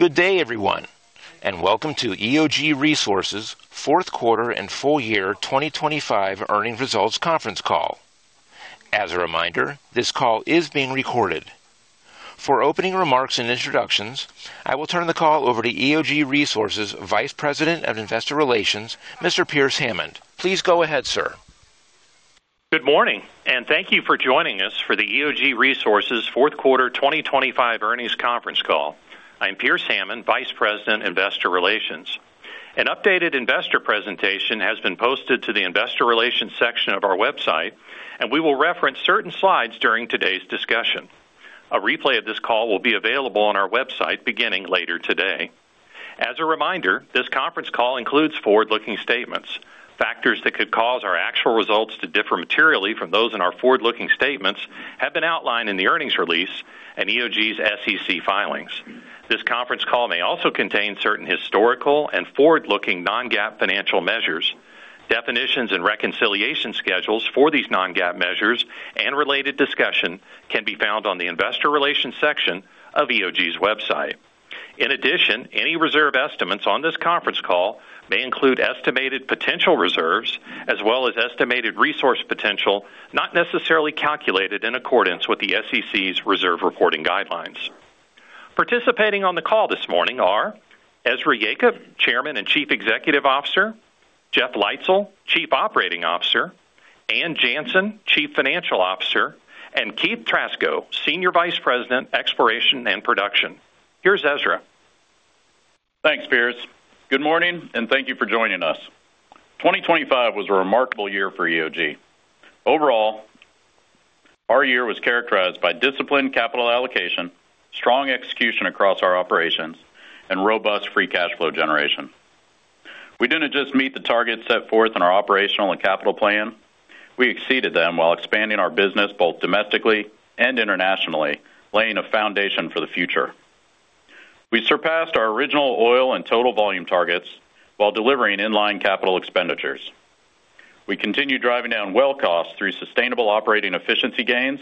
Good day, everyone, and welcome to EOG Resources' Q4 and full year 2025 earnings results conference call. As a reminder, this call is being recorded. For opening remarks and introductions, I will turn the call over to EOG Resources Vice President of Investor Relations, Mr. Pearce Hammond. Please go ahead, sir. Good morning, thank you for joining us for the EOG Resources Q4 2025 earnings conference call. I'm Pearce Hammond, Vice President, Investor Relations. An updated investor presentation has been posted to the investor relations section of our website, and we will reference certain slides during today's discussion. A replay of this call will be available on our website beginning later today. As a reminder, this conference call includes forward-looking statements. Factors that could cause our actual results to differ materially from those in our forward-looking statements have been outlined in the earnings release and EOG's SEC filings. This conference call may also contain certain historical and forward-looking non-GAAP financial measures. Definitions and reconciliation schedules for these non-GAAP measures and related discussion can be found on the investor relations section of EOG's website. In addition, any reserve estimates on this conference call may include estimated potential reserves, as well as estimated resource potential, not necessarily calculated in accordance with the SEC's reserve reporting guidelines. Participating on the call this morning are Ezra Yacob, Chairman and Chief Executive Officer; Jeff Leitzell, Chief Operating Officer; Ann Janssen, Chief Financial Officer; and Keith Trasko, Senior Vice President, Exploration and Production. Here's Ezra. Thanks, Pearce. Good morning, and thank you for joining us. 2025 was a remarkable year for EOG. Overall, our year was characterized by disciplined capital allocation, strong execution across our operations, and robust free cash flow generation. We didn't just meet the targets set forth in our operational and capital plan, we exceeded them while expanding our business both domestically and internationally, laying a foundation for the future. We surpassed our original oil and total volume targets while delivering in-line capital expenditures. We continued driving down well costs through sustainable operating efficiency gains,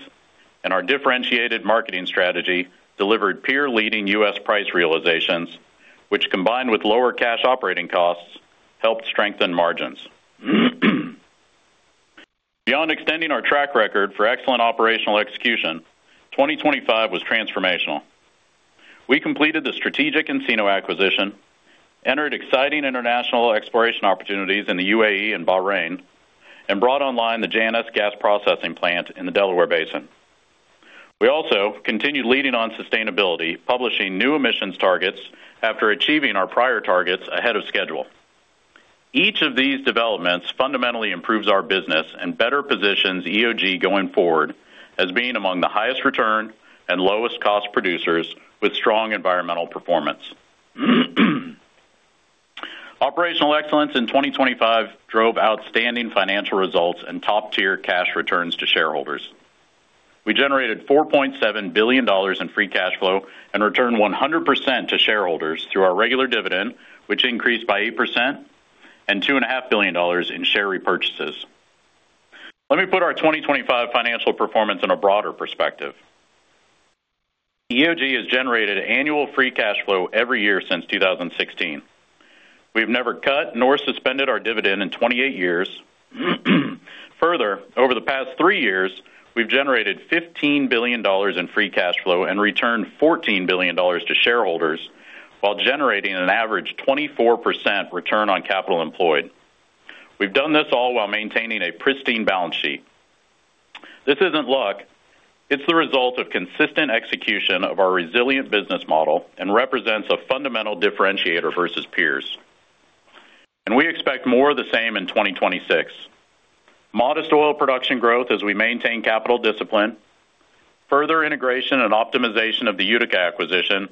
and our differentiated marketing strategy delivered peer-leading U.S. price realizations, which, combined with lower cash operating costs, helped strengthen margins. Beyond extending our track record for excellent operational execution, 2025 was transformational. We completed the strategic Encino acquisition, entered exciting international exploration opportunities in the UAE and Bahrain, brought online the Janus gas processing plant in the Delaware Basin. We also continued leading on sustainability, publishing new emissions targets after achieving our prior targets ahead of schedule. Each of these developments fundamentally improves our business and better positions EOG going forward as being among the highest return and lowest cost producers with strong environmental performance. Operational excellence in 2025 drove outstanding financial results and top-tier cash returns to shareholders. We generated $4.7 billion in free cash flow, returned 100% to shareholders through our regular dividend, which increased by 8%, and $2.5 billion in share repurchases. Let me put our 2025 financial performance in a broader perspective. EOG has generated annual free cash flow every year since 2016. We've never cut nor suspended our dividend in 28 years. Further, over the past three years, we've generated $15 billion in free cash flow and returned $14 billion to shareholders while generating an average 24% Return on Capital Employed. We've done this all while maintaining a pristine balance sheet. This isn't luck. It's the result of consistent execution of our resilient business model and represents a fundamental differentiator versus peers. We expect more of the same in 2026. Modest oil production growth as we maintain capital discipline, further integration and optimization of the Utica acquisition,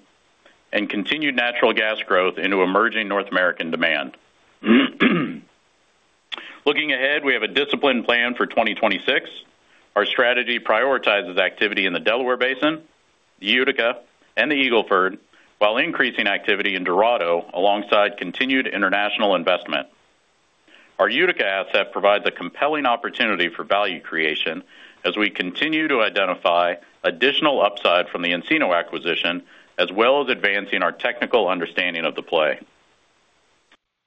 and continued natural gas growth into emerging North American demand. Looking ahead, we have a disciplined plan for 2026. Our strategy prioritizes activity in the Delaware Basin, the Utica, and the Eagle Ford, while increasing activity in Dorado alongside continued international investment. Our Utica asset provides a compelling opportunity for value creation as we continue to identify additional upside from the Encino acquisition, as well as advancing our technical understanding of the play.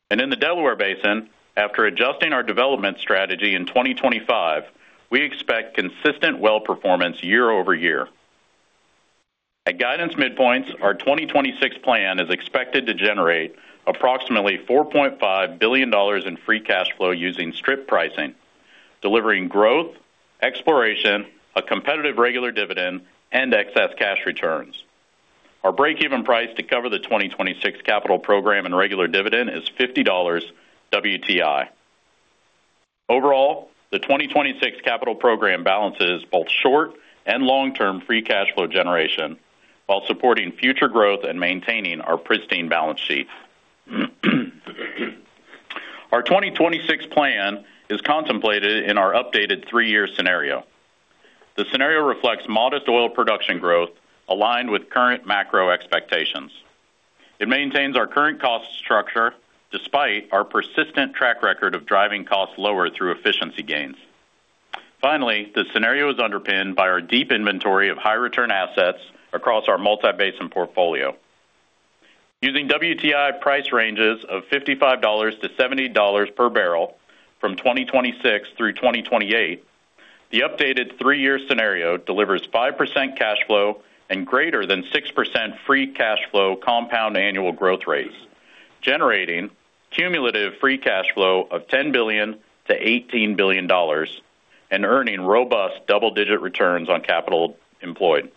In the Delaware Basin, after adjusting our development strategy in 2025, we expect consistent well performance year-over-year. At guidance midpoints, our 2026 plan is expected to generate approximately $4.5 billion in free cash flow using strip pricing, delivering growth, exploration, a competitive regular dividend, and excess cash returns. Our breakeven price to cover the 2026 capital program and regular dividend is $50 WTI. Overall, the 2026 capital program balances both short- and long-term free cash flow generation while supporting future growth and maintaining our pristine balance sheet. Our 2026 plan is contemplated in our updated three-year scenario. The scenario reflects modest oil production growth aligned with current macro expectations. It maintains our current cost structure despite our persistent track record of driving costs lower through efficiency gains. Finally, the scenario is underpinned by our deep inventory of high return assets across our multi-basin portfolio. Using WTI price ranges of $55-$70 per barrel from 2026 through 2028, the updated three-year scenario delivers 5% cash flow and greater than 6% free cash flow compound annual growth rates, generating cumulative free cash flow of $10 billion-$18 billion and earning robust double-digit returns on capital employed.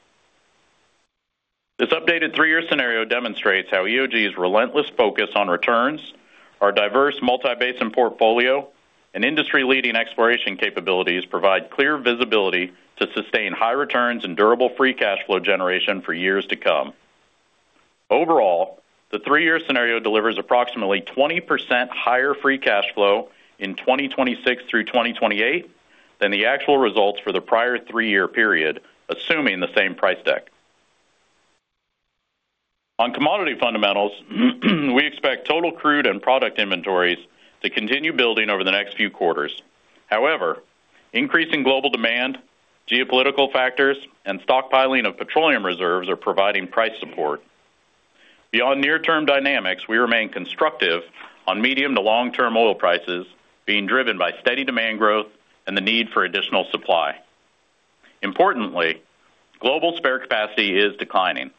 This updated three-year scenario demonstrates how EOG's relentless focus on returns, our diverse multi-basin portfolio, and industry-leading exploration capabilities provide clear visibility to sustain high returns and durable free cash flow generation for years to come. Overall, the three-year scenario delivers approximately 20% higher free cash flow in 2026 through 2028 than the actual results for the prior three-year period, assuming the same price deck. On commodity fundamentals, we expect total crude and product inventories to continue building over the next few quarters. However, increasing global demand, geopolitical factors, and stockpiling of petroleum reserves are providing price support. Beyond near-term dynamics, we remain constructive on medium to long-term oil prices being driven by steady demand growth and the need for additional supply. Importantly, global spare capacity is declining,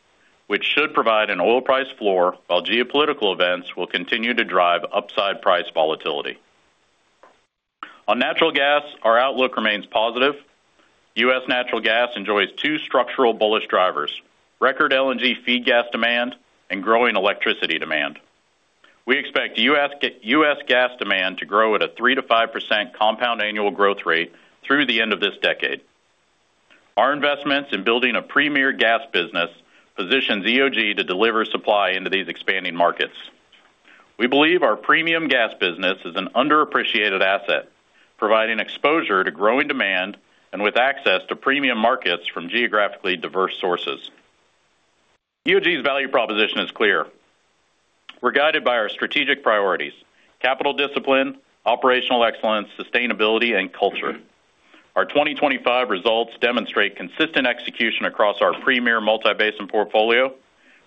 which should provide an oil price floor, while geopolitical events will continue to drive upside price volatility. On natural gas, our outlook remains positive. U.S. natural gas enjoys two structural bullish drivers, record LNG feed gas demand and growing electricity demand. We expect U.S. gas demand to grow at a 3%-5% compound annual growth rate through the end of this decade. Our investments in building a premier gas business positions EOG to deliver supply into these expanding markets. We believe our premium gas business is an underappreciated asset, providing exposure to growing demand and with access to premium markets from geographically diverse sources. EOG's value proposition is clear. We're guided by our strategic priorities, capital discipline, operational excellence, sustainability, and culture. Our 2025 results demonstrate consistent execution across our premier multi-basin portfolio,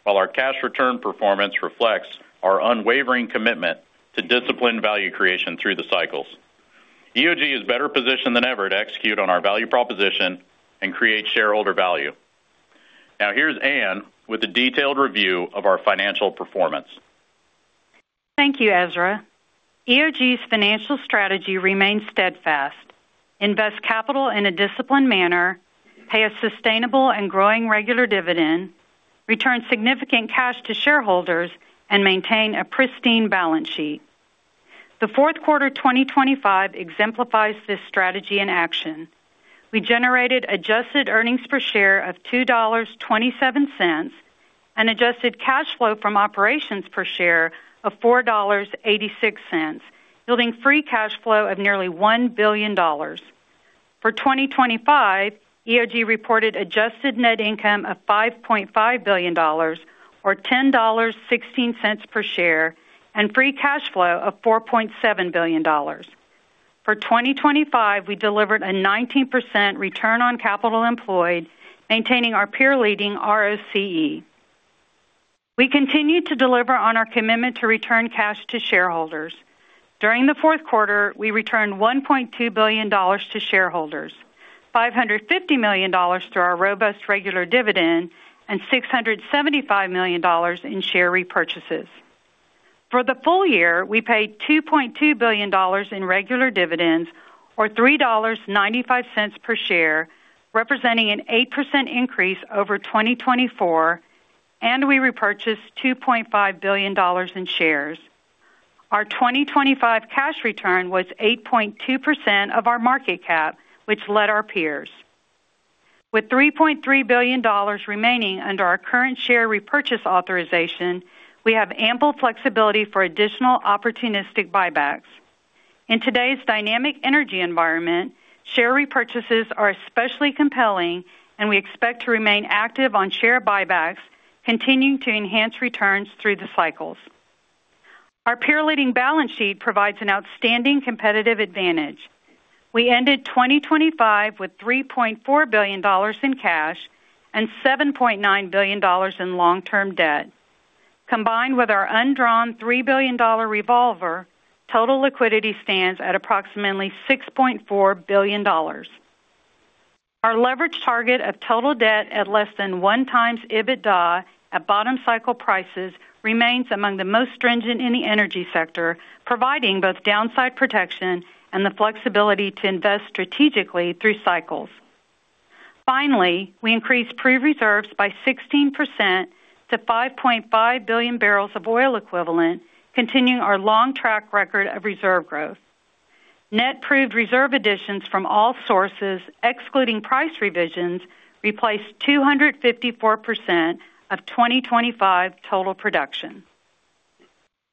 while our cash return performance reflects our unwavering commitment to disciplined value creation through the cycles. EOG is better positioned than ever to execute on our value proposition and create shareholder value. Now, here's Ann with a detailed review of our financial performance. Thank you, Ezra. EOG's financial strategy remains steadfast: invest capital in a disciplined manner, pay a sustainable and growing regular dividend, return significant cash to shareholders, and maintain a pristine balance sheet. The Q4 2025 exemplifies this strategy in action. We generated adjusted earnings per share of $2.27 and adjusted cash flow from operations per share of $4.86, building free cash flow of nearly $1 billion. For 2025, EOG reported adjusted net income of $5.5 billion, or $10.16 per share, and free cash flow of $4.7 billion. For 2025, we delivered a 19% return on capital employed, maintaining our peer-leading ROCE. We continue to deliver on our commitment to return cash to shareholders. During the Q4, we returned $1.2 billion to shareholders, $550 million to our robust regular dividend, and $675 million in share repurchases. For the full year, we paid $2.2 billion in regular dividends or $3.95 per share, representing an 8% increase over 2024, and we repurchased $2.5 billion in shares. Our 2025 cash return was 8.2% of our market cap, which led our peers. With $3.3 billion remaining under our current share repurchase authorization, we have ample flexibility for additional opportunistic buybacks. In today's dynamic energy environment, share repurchases are especially compelling, and we expect to remain active on share buybacks, continuing to enhance returns through the cycles. Our peer-leading balance sheet provides an outstanding competitive advantage. We ended 2025 with $3.4 billion in cash and $7.9 billion in long-term debt. Combined with our undrawn $3 billion revolver, total liquidity stands at approximately $6.4 billion. Our leverage target of total debt at less than 1x EBITDA at bottom cycle prices remains among the most stringent in the energy sector, providing both downside protection and the flexibility to invest strategically through cycles. We increased proved reserveses by 16% to 5.5 billion bbl of oil equivalent, continuing our long track record of reserve growth. Net proved reserve additions from all sources, excluding price revisions, replaced 254% of 2025 total production.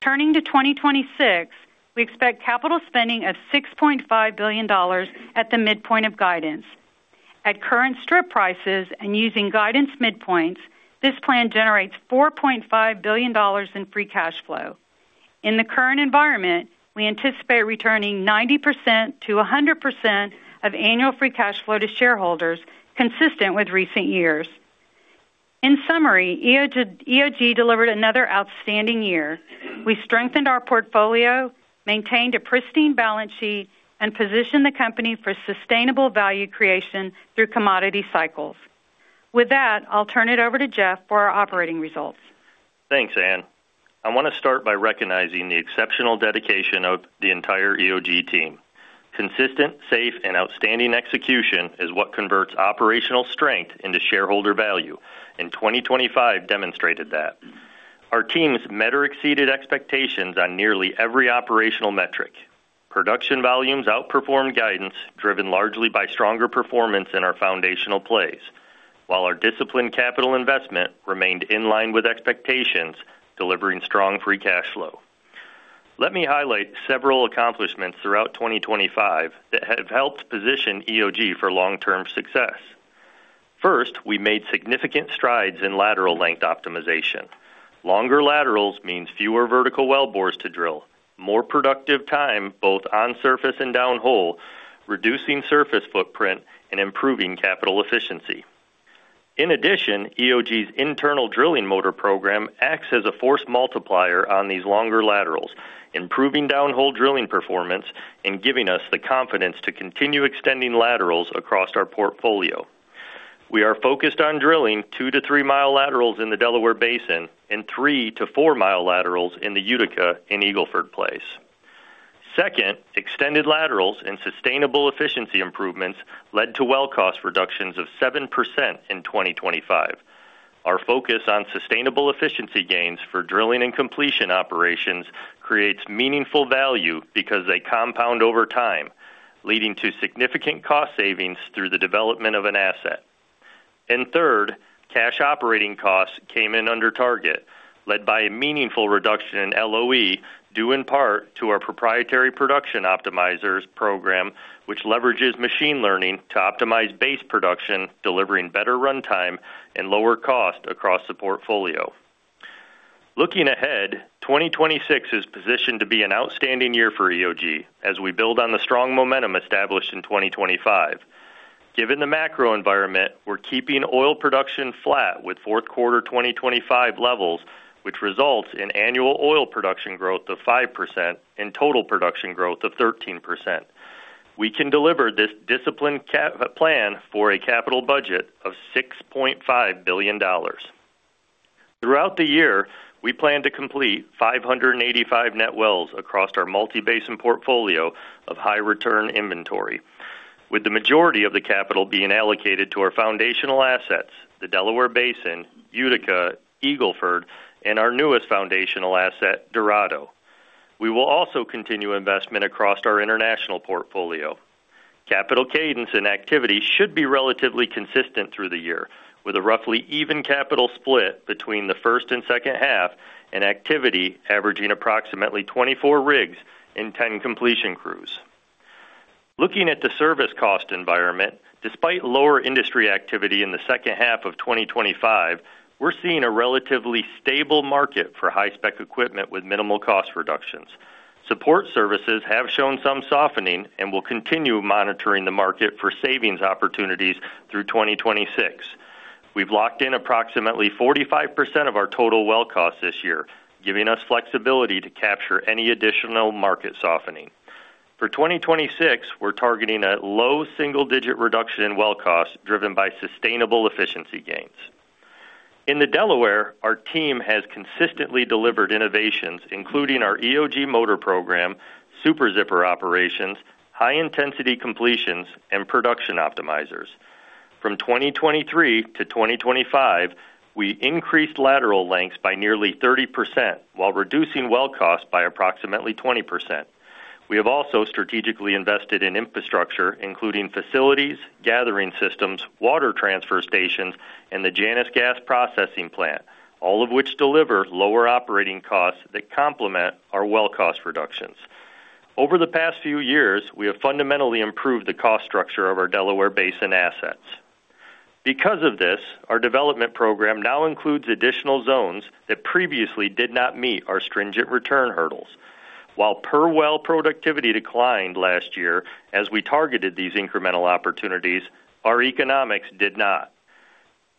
Turning to 2026, we expect capital spending of $6.5 billion at the midpoint of guidance. At current strip prices and using guidance midpoints, this plan generates $4.5 billion in free cash flow. In the current environment, we anticipate returning 90%-100% of annual free cash flow to shareholders, consistent with recent years. In summary, EOG delivered another outstanding year. We strengthened our portfolio, maintained a pristine balance sheet, and positioned the company for sustainable value creation through commodity cycles. With that, I'll turn it over to Jeff for our operating results. Thanks, Ann. I want to start by recognizing the exceptional dedication of the entire EOG team. Consistent, safe, and outstanding execution is what converts operational strength into shareholder value. 2025 demonstrated that. Our teams met or exceeded expectations on nearly every operational metric. Production volumes outperformed guidance, driven largely by stronger performance in our foundational plays, while our disciplined capital investment remained in line with expectations, delivering strong free cash flow. Let me highlight several accomplishments throughout 2025 that have helped position EOG for long-term success. First, we made significant strides in lateral length optimization. Longer laterals means fewer vertical wellbores to drill, more productive time, both on surface and downhole, reducing surface footprint and improving capital efficiency. In addition, EOG's internal drilling motor program acts as a force multiplier on these longer laterals, improving downhole drilling performance and giving us the confidence to continue extending laterals across our portfolio. We are focused on drilling 2-3 mi laterals in the Delaware Basin and 3-4 mi laterals in the Utica and Eagle Ford plays. Second, extended laterals and sustainable efficiency improvements led to well cost reductions of 7% in 2025. Our focus on sustainable efficiency gains for drilling and completion operations creates meaningful value because they compound over time, leading to significant cost savings through the development of an asset. Third, cash operating costs came in under target, led by a meaningful reduction in LOE, due in part to our proprietary production optimizers program, which leverages machine learning to optimize base production, delivering better runtime and lower cost across the portfolio. Looking ahead, 2026 is positioned to be an outstanding year for EOG as we build on the strong momentum established in 2025. Given the macro environment, we're keeping oil production flat with Q4 2025 levels, which results in annual oil production growth of 5% and total production growth of 13%. We can deliver this disciplined plan for a capital budget of $6.5 billion. Throughout the year, we plan to complete 585 net wells across our multi-basin portfolio of high return inventory, with the majority of the capital being allocated to our foundational assets, the Delaware Basin, Utica, Eagle Ford, and our newest foundational asset, Dorado. We will also continue investment across our international portfolio. Capital cadence and activity should be relatively consistent through the year, with a roughly even capital split between the H1 and H2 and activity averaging approximately 24 rigs and 10 completion crews. Looking at the service cost environment, despite lower industry activity in the H2 of 2025, we're seeing a relatively stable market for high-spec equipment with minimal cost reductions. Support services have shown some softening and will continue monitoring the market for savings opportunities through 2026. We've locked in approximately 45% of our total well costs this year, giving us flexibility to capture any additional market softening. For 2026, we're targeting a low single-digit reduction in well costs driven by sustainable efficiency gains. In the Delaware, our team has consistently delivered innovations, including our EOG motor program, Super Zipper operations, high-intensity completions, and production optimizers. From 2023 to 2025, we increased lateral lengths by nearly 30% while reducing well costs by approximately 20%. We have also strategically invested in infrastructure, including facilities, gathering systems, water transfer stations, and the Janus gas processing plant, all of which deliver lower operating costs that complement our well cost reductions. Over the past few years, we have fundamentally improved the cost structure of our Delaware Basin assets. Because of this, our development program now includes additional zones that previously did not meet our stringent return hurdles. While per well productivity declined last year as we targeted these incremental opportunities, our economics did not.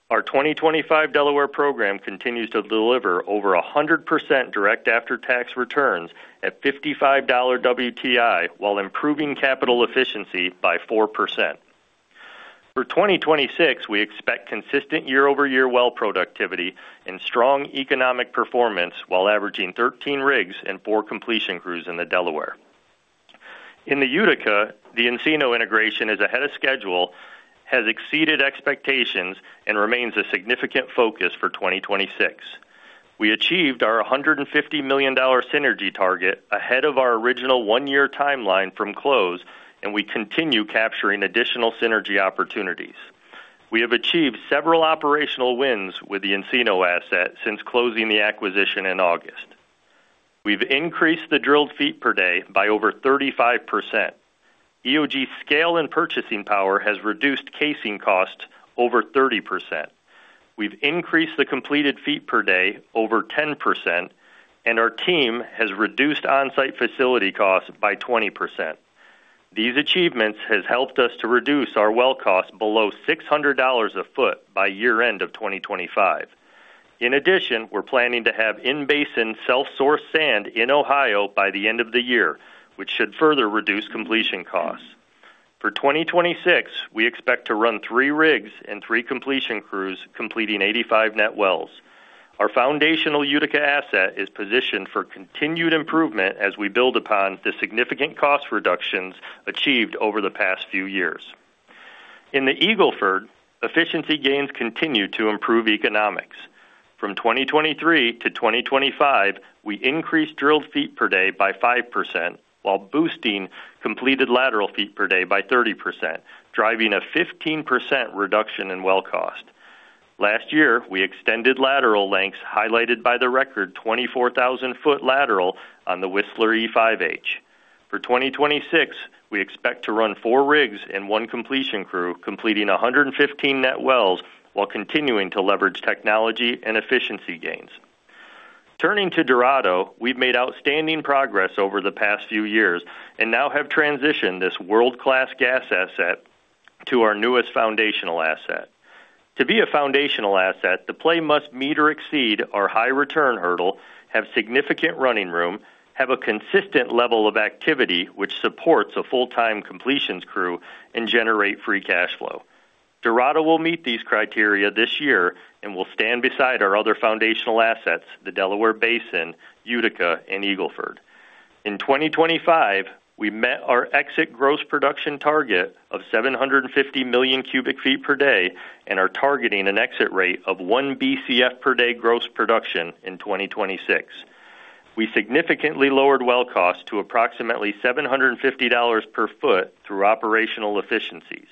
Our 2025 Delaware program continues to deliver over 100% direct after-tax returns at $55 WTI, while improving capital efficiency by 4%. For 2026, we expect consistent year-over-year well productivity and strong economic performance, while averaging 13 rigs and four completion crews in the Delaware. In the Utica, the Encino integration is ahead of schedule, has exceeded expectations and remains a significant focus for 2026. We achieved our $150 million synergy target ahead of our original one-year timeline from close. We continue capturing additional synergy opportunities. We have achieved several operational wins with the Encino asset since closing the acquisition in August. We've increased the drilled feet per day by over 35%. EOG scale and purchasing power has reduced casing costs over 30%. We've increased the completed feet per day over 10%, and our team has reduced on-site facility costs by 20%. These achievements has helped us to reduce our well costs below $600 a foot by year-end of 2025. We're planning to have in-basin, self-sourced sand in Ohio by the end of the year, which should further reduce completion costs. For 2026, we expect to run three rigs and three completion crews, completing 85 net wells. Our foundational Utica asset is positioned for continued improvement as we build upon the significant cost reductions achieved over the past few years. In the Eagle Ford, efficiency gains continue to improve economics. From 2023 to 2025, we increased drilled feet per day by 5%, while boosting completed lateral feet per day by 30%, driving a 15% reduction in well cost. Last year, we extended lateral lengths, highlighted by the record 24,000 ft lateral on the Whistler E5H. For 2026, we expect to run four rigs and one completion crew, completing 115 net wells, while continuing to leverage technology and efficiency gains. Turning to Dorado, we've made outstanding progress over the past few years and now have transitioned this world-class gas asset to our newest foundational asset. To be a foundational asset, the play must meet or exceed our high return hurdle, have significant running room, have a consistent level of activity which supports a full-time completions crew, and generate free cash flow. Dorado will meet these criteria this year and will stand beside our other foundational assets, the Delaware Basin, Utica, and Eagle Ford. In 2025, we met our exit gross production target of 750 million cu ft per day and are targeting an exit rate of 1 Bcf per day gross production in 2026. We significantly lowered well costs to approximately $750 per foot through operational efficiencies.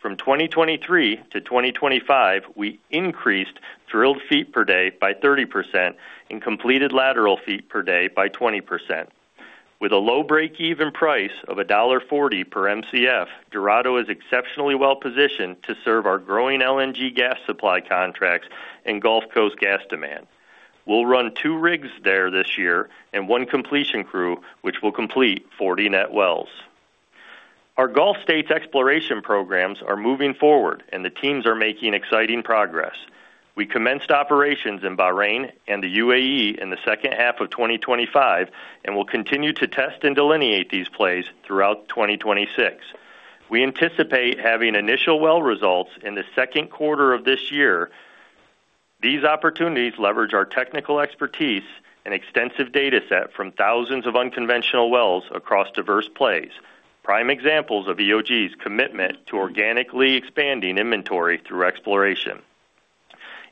From 2023 to 2025, we increased drilled feet per day by 30% and completed lateral feet per day by 20%. With a low break-even price of $1.40 per Mcf, Dorado is exceptionally well positioned to serve our growing LNG gas supply contracts and Gulf Coast gas demand. We'll run two rigs there this year and one completion crew, which will complete 40 net wells. Our Gulf States exploration programs are moving forward, and the teams are making exciting progress. We commenced operations in Bahrain and the UAE in the H2 of 2025. Will continue to test and delineate these plays throughout 2026. We anticipate having initial well results in the Q2 of this year. These opportunities leverage our technical expertise and extensive data set from thousands of unconventional wells across diverse plays, prime examples of EOG's commitment to organically expanding inventory through exploration.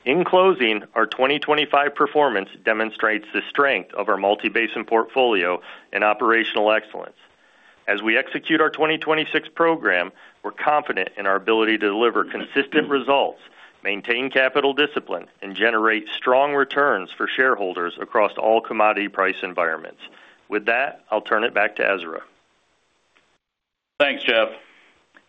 In closing, our 2025 performance demonstrates the strength of our multi-basin portfolio and operational excellence. As we execute our 2026 program, we're confident in our ability to deliver consistent results, maintain capital discipline, and generate strong returns for shareholders across all commodity price environments. With that, I'll turn it back to Ezra. Thanks, Jeff.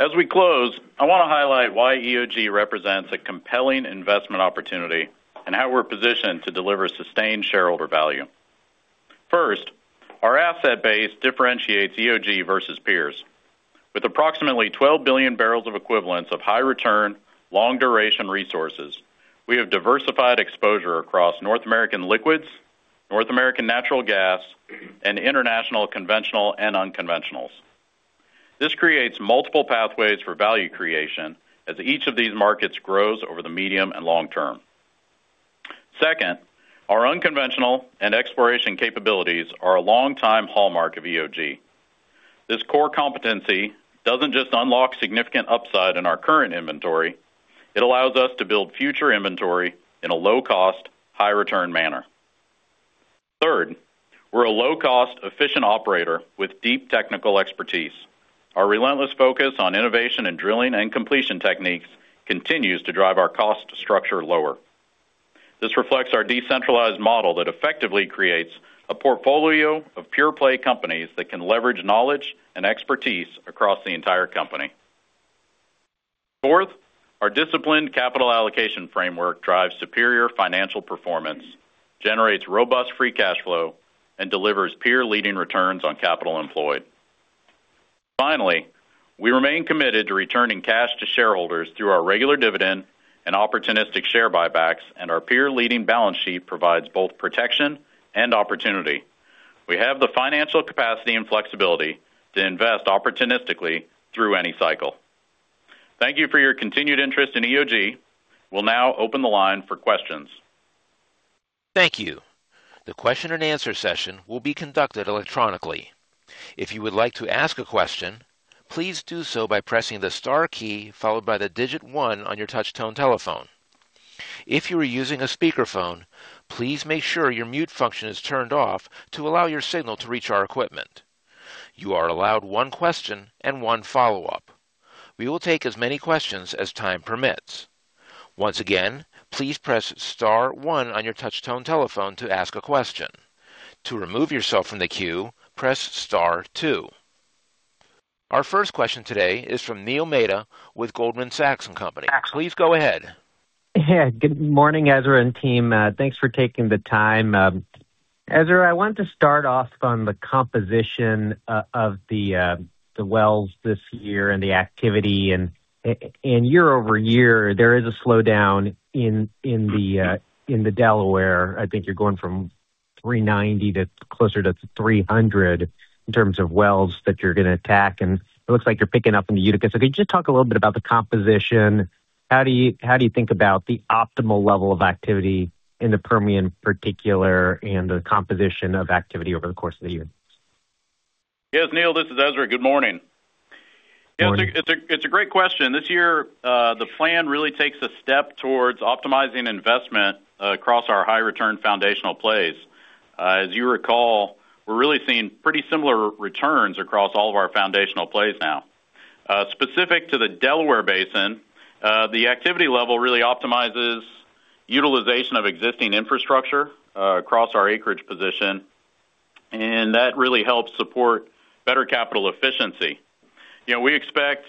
As we close, I want to highlight why EOG represents a compelling investment opportunity and how we're positioned to deliver sustained shareholder value. First, our asset base differentiates EOG versus peers. With approximately 12 billion bbl of equivalents of high return, long-duration resources, we have diversified exposure across North American liquids, North American natural gas, and international, conventional and unconventionals. This creates multiple pathways for value creation as each of these markets grows over the medium and long term. Second, our unconventional and exploration capabilities are a long-time hallmark of EOG. This core competency doesn't just unlock significant upside in our current inventory, it allows us to build future inventory in a low-cost, high-return manner. Third, we're a low-cost, efficient operator with deep technical expertise. Our relentless focus on innovation in drilling and completion techniques continues to drive our cost structure lower. This reflects our decentralized model that effectively creates a portfolio of pure-play companies that can leverage knowledge and expertise across the entire company. Fourth, our disciplined capital allocation framework drives superior financial performance, generates robust free cash flow, and delivers peer-leading returns on capital employed. Finally, we remain committed to returning cash to shareholders through our regular dividend and opportunistic share buybacks, and our peer-leading balance sheet provides both protection and opportunity. We have the financial capacity and flexibility to invest opportunistically through any cycle. Thank you for your continued interest in EOG. We'll now open the line for questions. Thank you. The question and answer session will be conducted electronically. If you would like to ask a question, please do so by pressing the star key, followed by the digit one on your touchtone telephone. If you are using a speakerphone, please make sure your mute function is turned off to allow your signal to reach our equipment. You are allowed one question and one follow-up. We will take as many questions as time permits. Once again, please press star one on your touchtone telephone to ask a question. To remove yourself from the queue, press star two. Our first question today is from Neil Mehta with Goldman Sachs & Co. Please go ahead. Yeah. Good morning, Ezra and team. Thanks for taking the time. Ezra, I wanted to start off on the composition of the wells this year and the activity. year-over-year, there is a slowdown in the Delaware. I think you're going from 390 to closer to 300 in terms of wells that you're gonna attack, and it looks like you're picking up in the Utica. Could you just talk a little bit about the composition? How do you think about the optimal level of activity in the Permian particular and the composition of activity over the course of the year? Yes, Neil, this is Ezra. Good morning. Good morning. It's a great question. This year, the plan really takes a step towards optimizing investment across our high return foundational plays. As you recall, we're really seeing pretty similar returns across all of our foundational plays now. Specific to the Delaware Basin, the activity level really optimizes utilization of existing infrastructure, across our acreage position, and that really helps support better capital efficiency. You know, we expect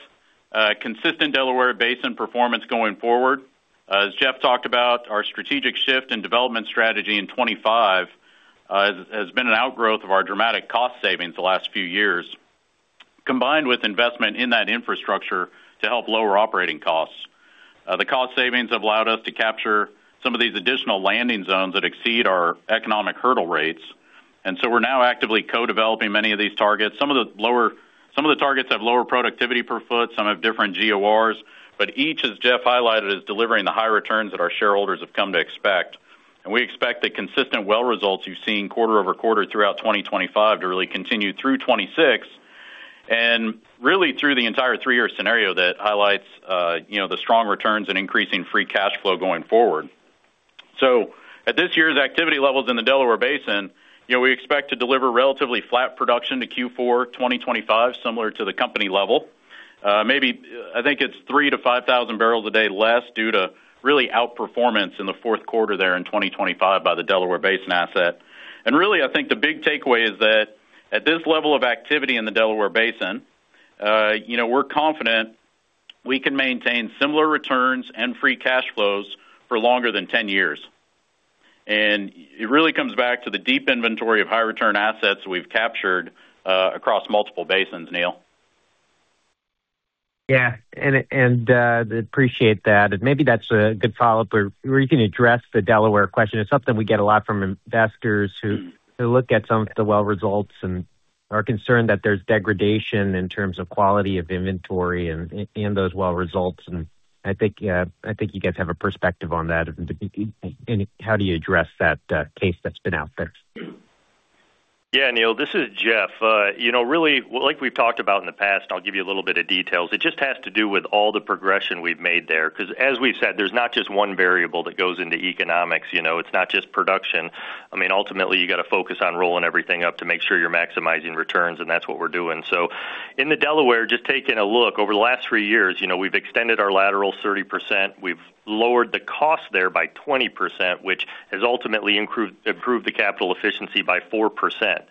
consistent Delaware Basin performance going forward. As Jeff talked about, our strategic shift in development strategy in 2025, has been an outgrowth of our dramatic cost savings the last few years, combined with investment in that infrastructure to help lower operating costs. The cost savings have allowed us to capture some of these additional landing zones that exceed our economic hurdle rates. We're now actively co-developing many of these targets. Some of the targets have lower productivity per foot, some have different GORs, but each, as Jeff highlighted, is delivering the high returns that our shareholders have come to expect. We expect the consistent well results you've seen quarter-over-quarter throughout 2025 to really continue through 2026, and really through the entire three-year scenario that highlights, you know, the strong returns and increasing free cash flow going forward. At this year's activity levels in the Delaware Basin, you know, we expect to deliver relatively flat production to Q4 2025, similar to the company level. Maybe, I think it's 3,000-5,000 bbl a day less, due to really outperformance in the Q4 there in 2025 by the Delaware Basin asset. Really, I think the big takeaway is that at this level of activity in the Delaware Basin, you know, we're confident we can maintain similar returns and free cash flows for longer than 10 years. It really comes back to the deep inventory of high return assets we've captured across multiple basins, Neil. Yeah, and appreciate that. Maybe that's a good follow-up, or you can address the Delaware question. It's something we get a lot from investors who look at some of the well results and are concerned that there's degradation in terms of quality of inventory and those well results. I think, I think you guys have a perspective on that. How do you address that case that's been out there? Neil, this is Jeff. You know, really, like we've talked about in the past, I'll give you a little bit of details. It just has to do with all the progression we've made there, because, as we've said, there's not just one variable that goes into economics you know, it's not just production. I mean, ultimately, you got to focus on rolling everything up to make sure you're maximizing returns, and that's what we're doing. In the Delaware, just taking a look over the last three years, you know, we've extended our laterals 30%. We've lowered the cost there by 20%, which has ultimately improved the capital efficiency by 4%.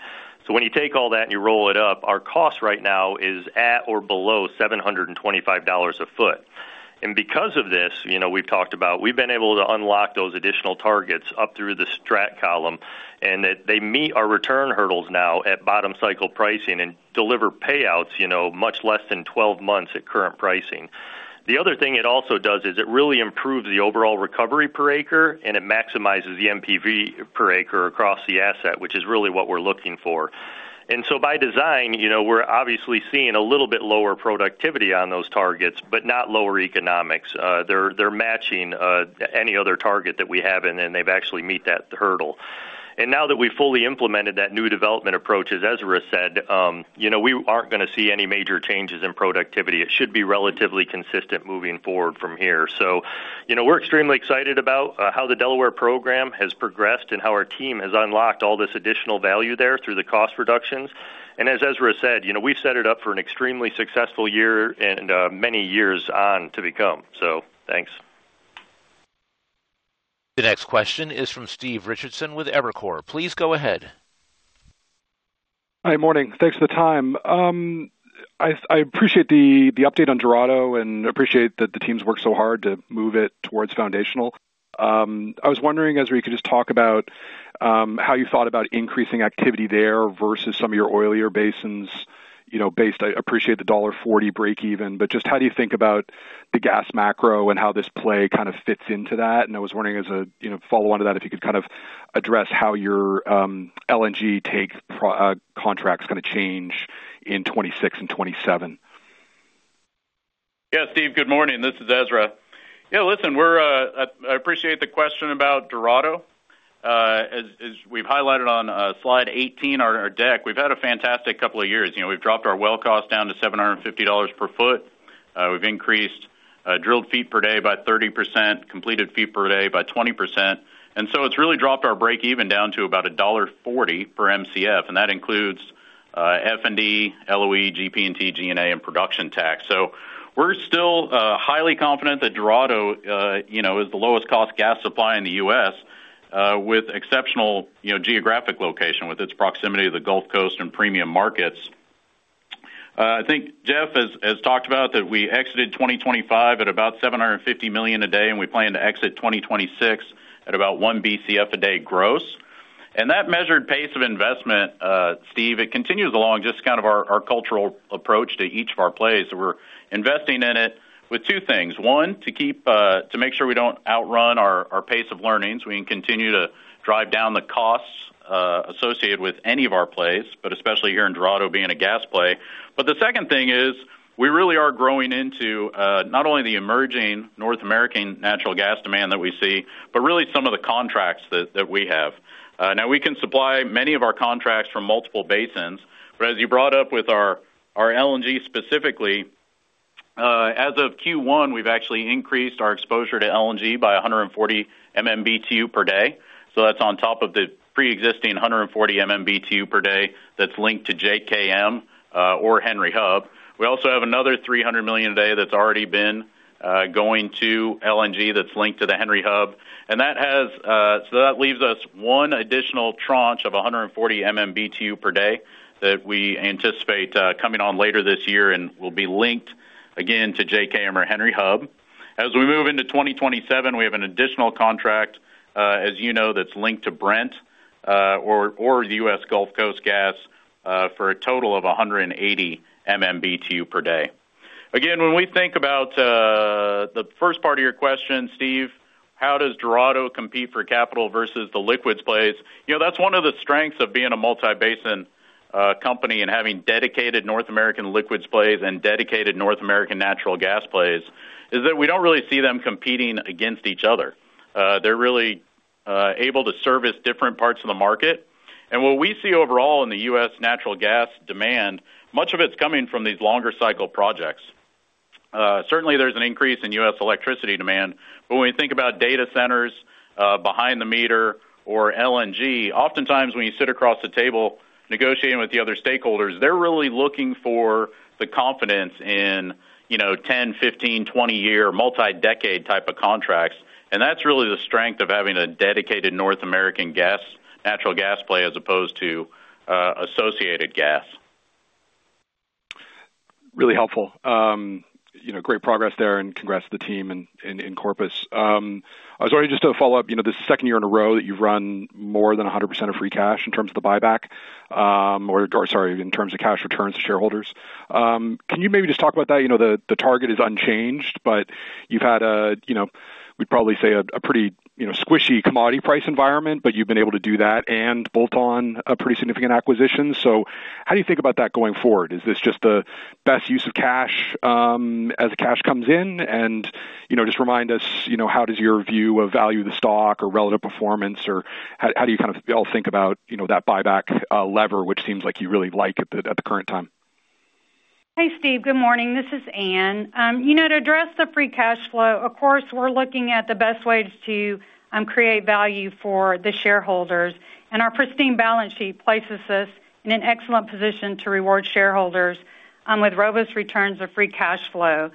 When you take all that and you roll it up, our cost right now is at or below $725 a foot. Because of this, you know, we've talked about, we've been able to unlock those additional targets up through the strat column, and that they meet our return hurdles now at bottom cycle pricing and deliver payouts, you know, much less than 12 months at current pricing. The other thing it also does is it really improves the overall recovery per acre, and it maximizes the NPV per acre across the asset, which is really what we're looking for. By design, you know, we're obviously seeing a little bit lower productivity on those targets, but not lower economics. They're matching any other target that we have in, and they've actually meet that hurdle. Now that we've fully implemented that new development approach, as Ezra said, you know, we aren't gonna see any major changes in productivity. It should be relatively consistent moving forward from here. You know, we're extremely excited about how the Delaware program has progressed and how our team has unlocked all this additional value there through the cost reductions. As Ezra said, you know, we've set it up for an extremely successful year and many years on to become. Thanks. The next question is from Steve Richardson with Evercore. Please go ahead. Hi, morning. Thanks for the time. I appreciate the update on Dorado and appreciate that the team's worked so hard to move it towards foundational. I was wondering, Ezra, if you could just talk about how you thought about increasing activity there versus some of your oilier basins, you know. I appreciate the $1.40 break even, but just how do you think about the gas macro and how this play kind of fits into that? I was wondering as a, you know, follow-on to that, if you could kind of address how your LNG take contracts gonna change in 2026 and 2027. Yeah, Steve, good morning. This is Ezra. Yeah, listen, we're, I appreciate the question about Dorado. As we've highlighted on slide 18 on our deck, we've had a fantastic couple of years. You know, we've dropped our well cost down to $750 per foot. We've increased drilled feet per day by 30%, completed feet per day by 20%. It's really dropped our breakeven down to about $1.40 per Mcf, and that includes F&D, LOE, GP&T, G&A, and production tax. We're still, highly confident that Dorado, you know, is the lowest cost gas supply in the U.S., with exceptional, you know, geographic location, with its proximity to the Gulf Coast and premium markets. I think Jeff has talked about that we exited 2025 at about 750 million a day, and we plan to exit 2026 at about 1 Bcf a day gross. That measured pace of investment, Steve, it continues along just kind of our cultural approach to each of our plays. We're investing in it with two things: One, to keep to make sure we don't outrun our pace of learnings. We can continue to drive down the costs associated with any of our plays, but especially here in Dorado being a gas play. The second thing is, we really are growing into not only the emerging North American natural gas demand that we see, but really some of the contracts that we have. Now we can supply many of our contracts from multiple basins, but as you brought up with our LNG specifically, as of Q1, we've actually increased our exposure to LNG by 140 MMBtu per day. That's on top of the preexisting 140 MMBtu per day that's linked to JKM or Henry Hub. We also have another 300 million a day that's already been going to LNG that's linked to the Henry Hub. That leaves us one additional tranche of 140 MMBtu per day, that we anticipate coming on later this year and will be linked, again, to JKM or Henry Hub. As we move into 2027, we have an additional contract, as you know, that's linked to Brent, or the U.S. Gulf Coast gas, for a total of 180 MMBtu per day. Again, when we think about, the first part of your question, Steve, how does Dorado compete for capital versus the liquids plays? You know, that's one of the strengths of being a multi-basin, company and having dedicated North American liquids plays and dedicated North American natural gas plays, is that we don't really see them competing against each other. They're really, able to service different parts of the market. What we see overall in the U.S. natural gas demand, much of it's coming from these longer cycle projects. Certainly, there's an increase in U.S. electricity demand, but when we think about data centers, behind the meter or LNG, oftentimes, when you sit across the table negotiating with the other stakeholders, they're really looking for the confidence in, you know, 10, 15, 20-year, multi-decade type of contracts. That's really the strength of having a dedicated North American gas, natural gas play, as opposed to associated gas. Really helpful. You know, great progress there, congrats to the team in Corpus. I was wondering, just to follow up, you know, this is the second year in a row that you've run more than 100% of free cash in terms of the buyback, or sorry, in terms of cash returns to shareholders. Can you maybe just talk about that? You know, the target is unchanged, but you've had a, you know, we'd probably say, a pretty, you know, squishy commodity price environment, but you've been able to do that and bolt on a pretty significant acquisition. How do you think about that going forward? Is this just the best use of cash, as the cash comes in? You know, just remind us, you know, how does your view of value of the stock or relative performance, or how do you kind of all think about, you know, that buyback lever, which seems like you really like at the, at the current time? Hey, Steve. Good morning. This is Ann. You know, to address the free cash flow, of course, we're looking at the best ways to create value for the shareholders. Our pristine balance sheet places us in an excellent position to reward shareholders with robust returns of free cash flow.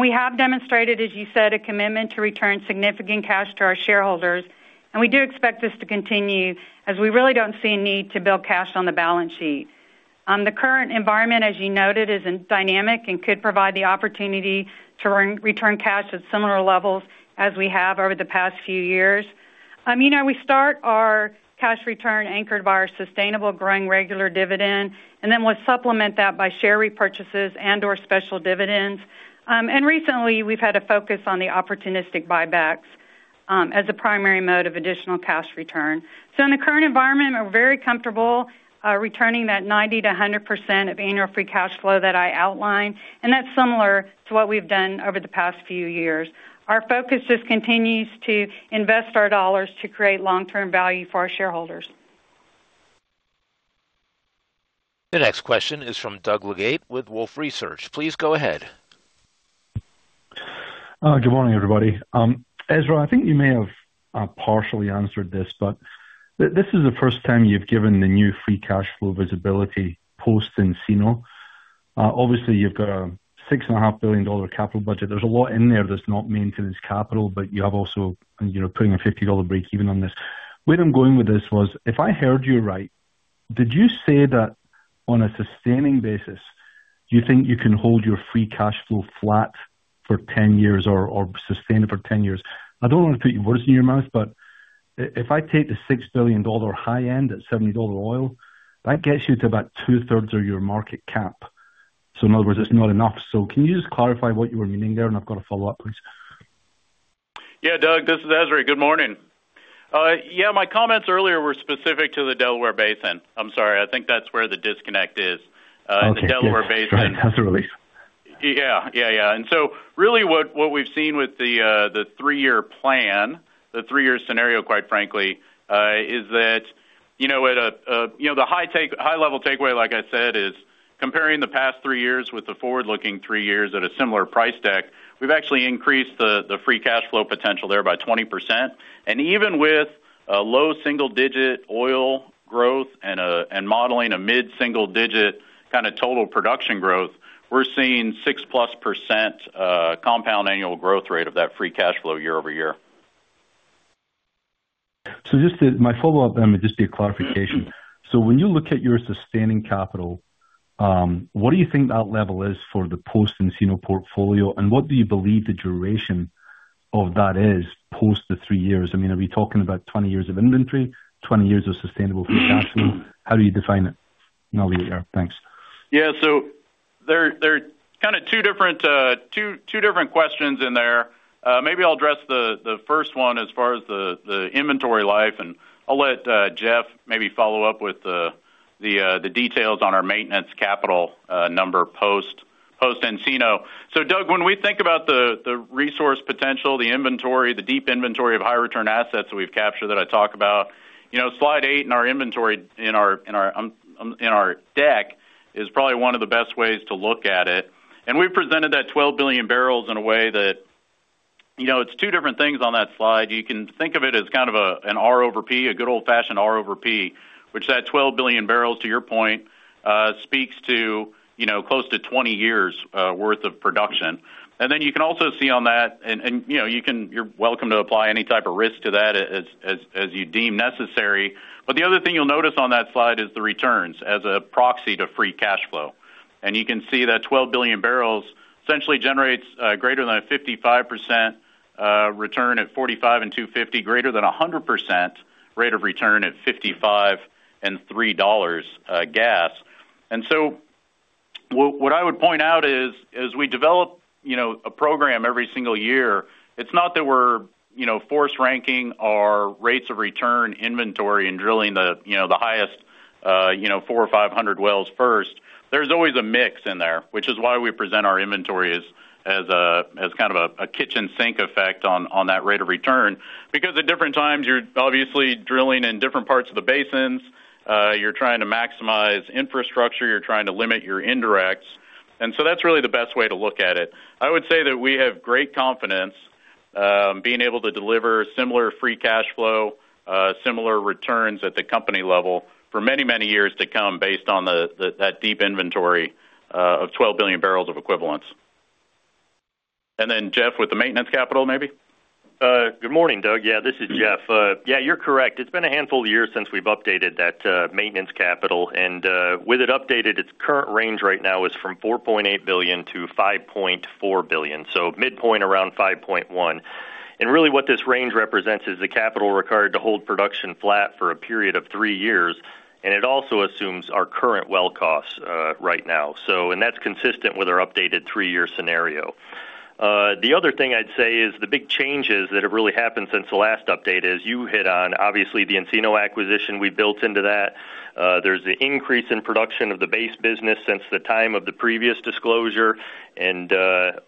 We have demonstrated, as you said, a commitment to return significant cash to our shareholders, and we do expect this to continue, as we really don't see a need to build cash on the balance sheet. The current environment, as you noted, is dynamic and could provide the opportunity to re-return cash at similar levels as we have over the past few years. You know, we start our cash return anchored by our sustainable growing regular dividend. Then we'll supplement that by share repurchases and/or special dividends. Recently, we've had a focus on the opportunistic buybacks as a primary mode of additional cash return. In the current environment, we're very comfortable returning that 90%-100% of annual free cash flow that I outlined, and that's similar to what we've done over the past few years. Our focus just continues to invest our dollars to create long-term value for our shareholders. The next question is from Doug Leggate, with Wolfe Research. Please go ahead. Good morning, everybody. Ezra, I think you may have partially answered this is the first time you've given the new free cash flow visibility post Encino. Obviously, you've got a $6.5 billion capital budget. There's a lot in there that's not maintenance capital, you have also, and, you know, putting a $50 breakeven on this. Where I'm going with this was, if I heard you right, did you say that on a sustaining basis, you think you can hold your free cash flow flat for 10 years or sustain it for 10 years? I don't want to put words in your mouth, if I take the $6 billion high end at $70 oil, that gets you to about two-thirds of your market cap. In other words, it's not enough. Can you just clarify what you were meaning there? I've got a follow-up, please. Yeah, Doug, this is Ezra. Good morning. Yeah, my comments earlier were specific to the Delaware Basin. I'm sorry, I think that's where the disconnect is. Okay. the Delaware Basin. That's a relief. Yeah. Really, what we've seen with the three-year plan, the three-year scenario, quite frankly, is that. You know, at a, you know, the high-level takeaway, like I said, is comparing the past three years with the forward-looking three years at a similar price deck, we've actually increased the free cash flow potential there by 20%. Even with a low single-digit oil growth and modeling a mid-single-digit kind of total production growth, we're seeing 6%+ compound annual growth rate of that free cash flow year-over-year. Just to my follow-up, then, would just be a clarification. When you look at your sustaining capital, what do you think that level is for the post-Encino portfolio? What do you believe the duration of that is post the three years? I mean, are we talking about 20 years of inventory, 20 years of sustainable free cash flow? How do you define it, and I'll leave it there. Thanks. Yeah, there are kind of two different questions in there. Maybe I'll address the first one as far as the inventory life, and I'll let Jeff maybe follow up with the details on our maintenance capital number post-Encino. Doug, when we think about the resource potential, the inventory, the deep inventory of high return assets that we've captured, that I talk about, you know, slide eight in our inventory, in our deck, is probably one of the best ways to look at it. We've presented that 12 billion bbl in a way that... You know, it's two different things on that slide. You can think of it as kind of an R/P, a good old-fashioned R/P, which that 12 billion bbl, to your point, speaks to, you know, close to 20 years' worth of production. Then you can also see on that, and, you know, you're welcome to apply any type of risk to that as you deem necessary. The other thing you'll notice on that slide is the returns as a proxy to free cash flow. You can see that 12 billion bbl essentially generates greater than a 55% return at $45 and $2.50, greater than a 100% rate of return at $55 and $3 gas. What I would point out is, as we develop, you know, a program every single year, it's not that we're, you know, force ranking our rates of return inventory and drilling the, you know, the highest, you know, 400 or 500 wells first. There's always a mix in there, which is why we present our inventory as a, as kind of a kitchen sink effect on that rate of return. Because at different times, you're obviously drilling in different parts of the basins, you're trying to maximize infrastructure, you're trying to limit your indirects. So that's really the best way to look at it. I would say that we have great confidence, being able to deliver similar free cash flow, similar returns at the company level for many, many years to come, based on the deep inventory, of 12 billion bbl of equivalents. Jeff, with the maintenance capital, maybe? Good morning, Doug. Yeah, this is Jeff. Yeah, you're correct. It's been a handful of years since we've updated that maintenance capital, with it updated, its current range right now is from $4.8 billion-$5.4 billion, so midpoint around $5.1 billion. Really, what this range represents is the capital required to hold production flat for a period of three years, and it also assumes our current well costs right now, and that's consistent with our updated three-year scenario. The other thing I'd say is, the big changes that have really happened since the last update is, you hit on, obviously, the Encino acquisition, we built into that. There's the increase in production of the base business since the time of the previous disclosure,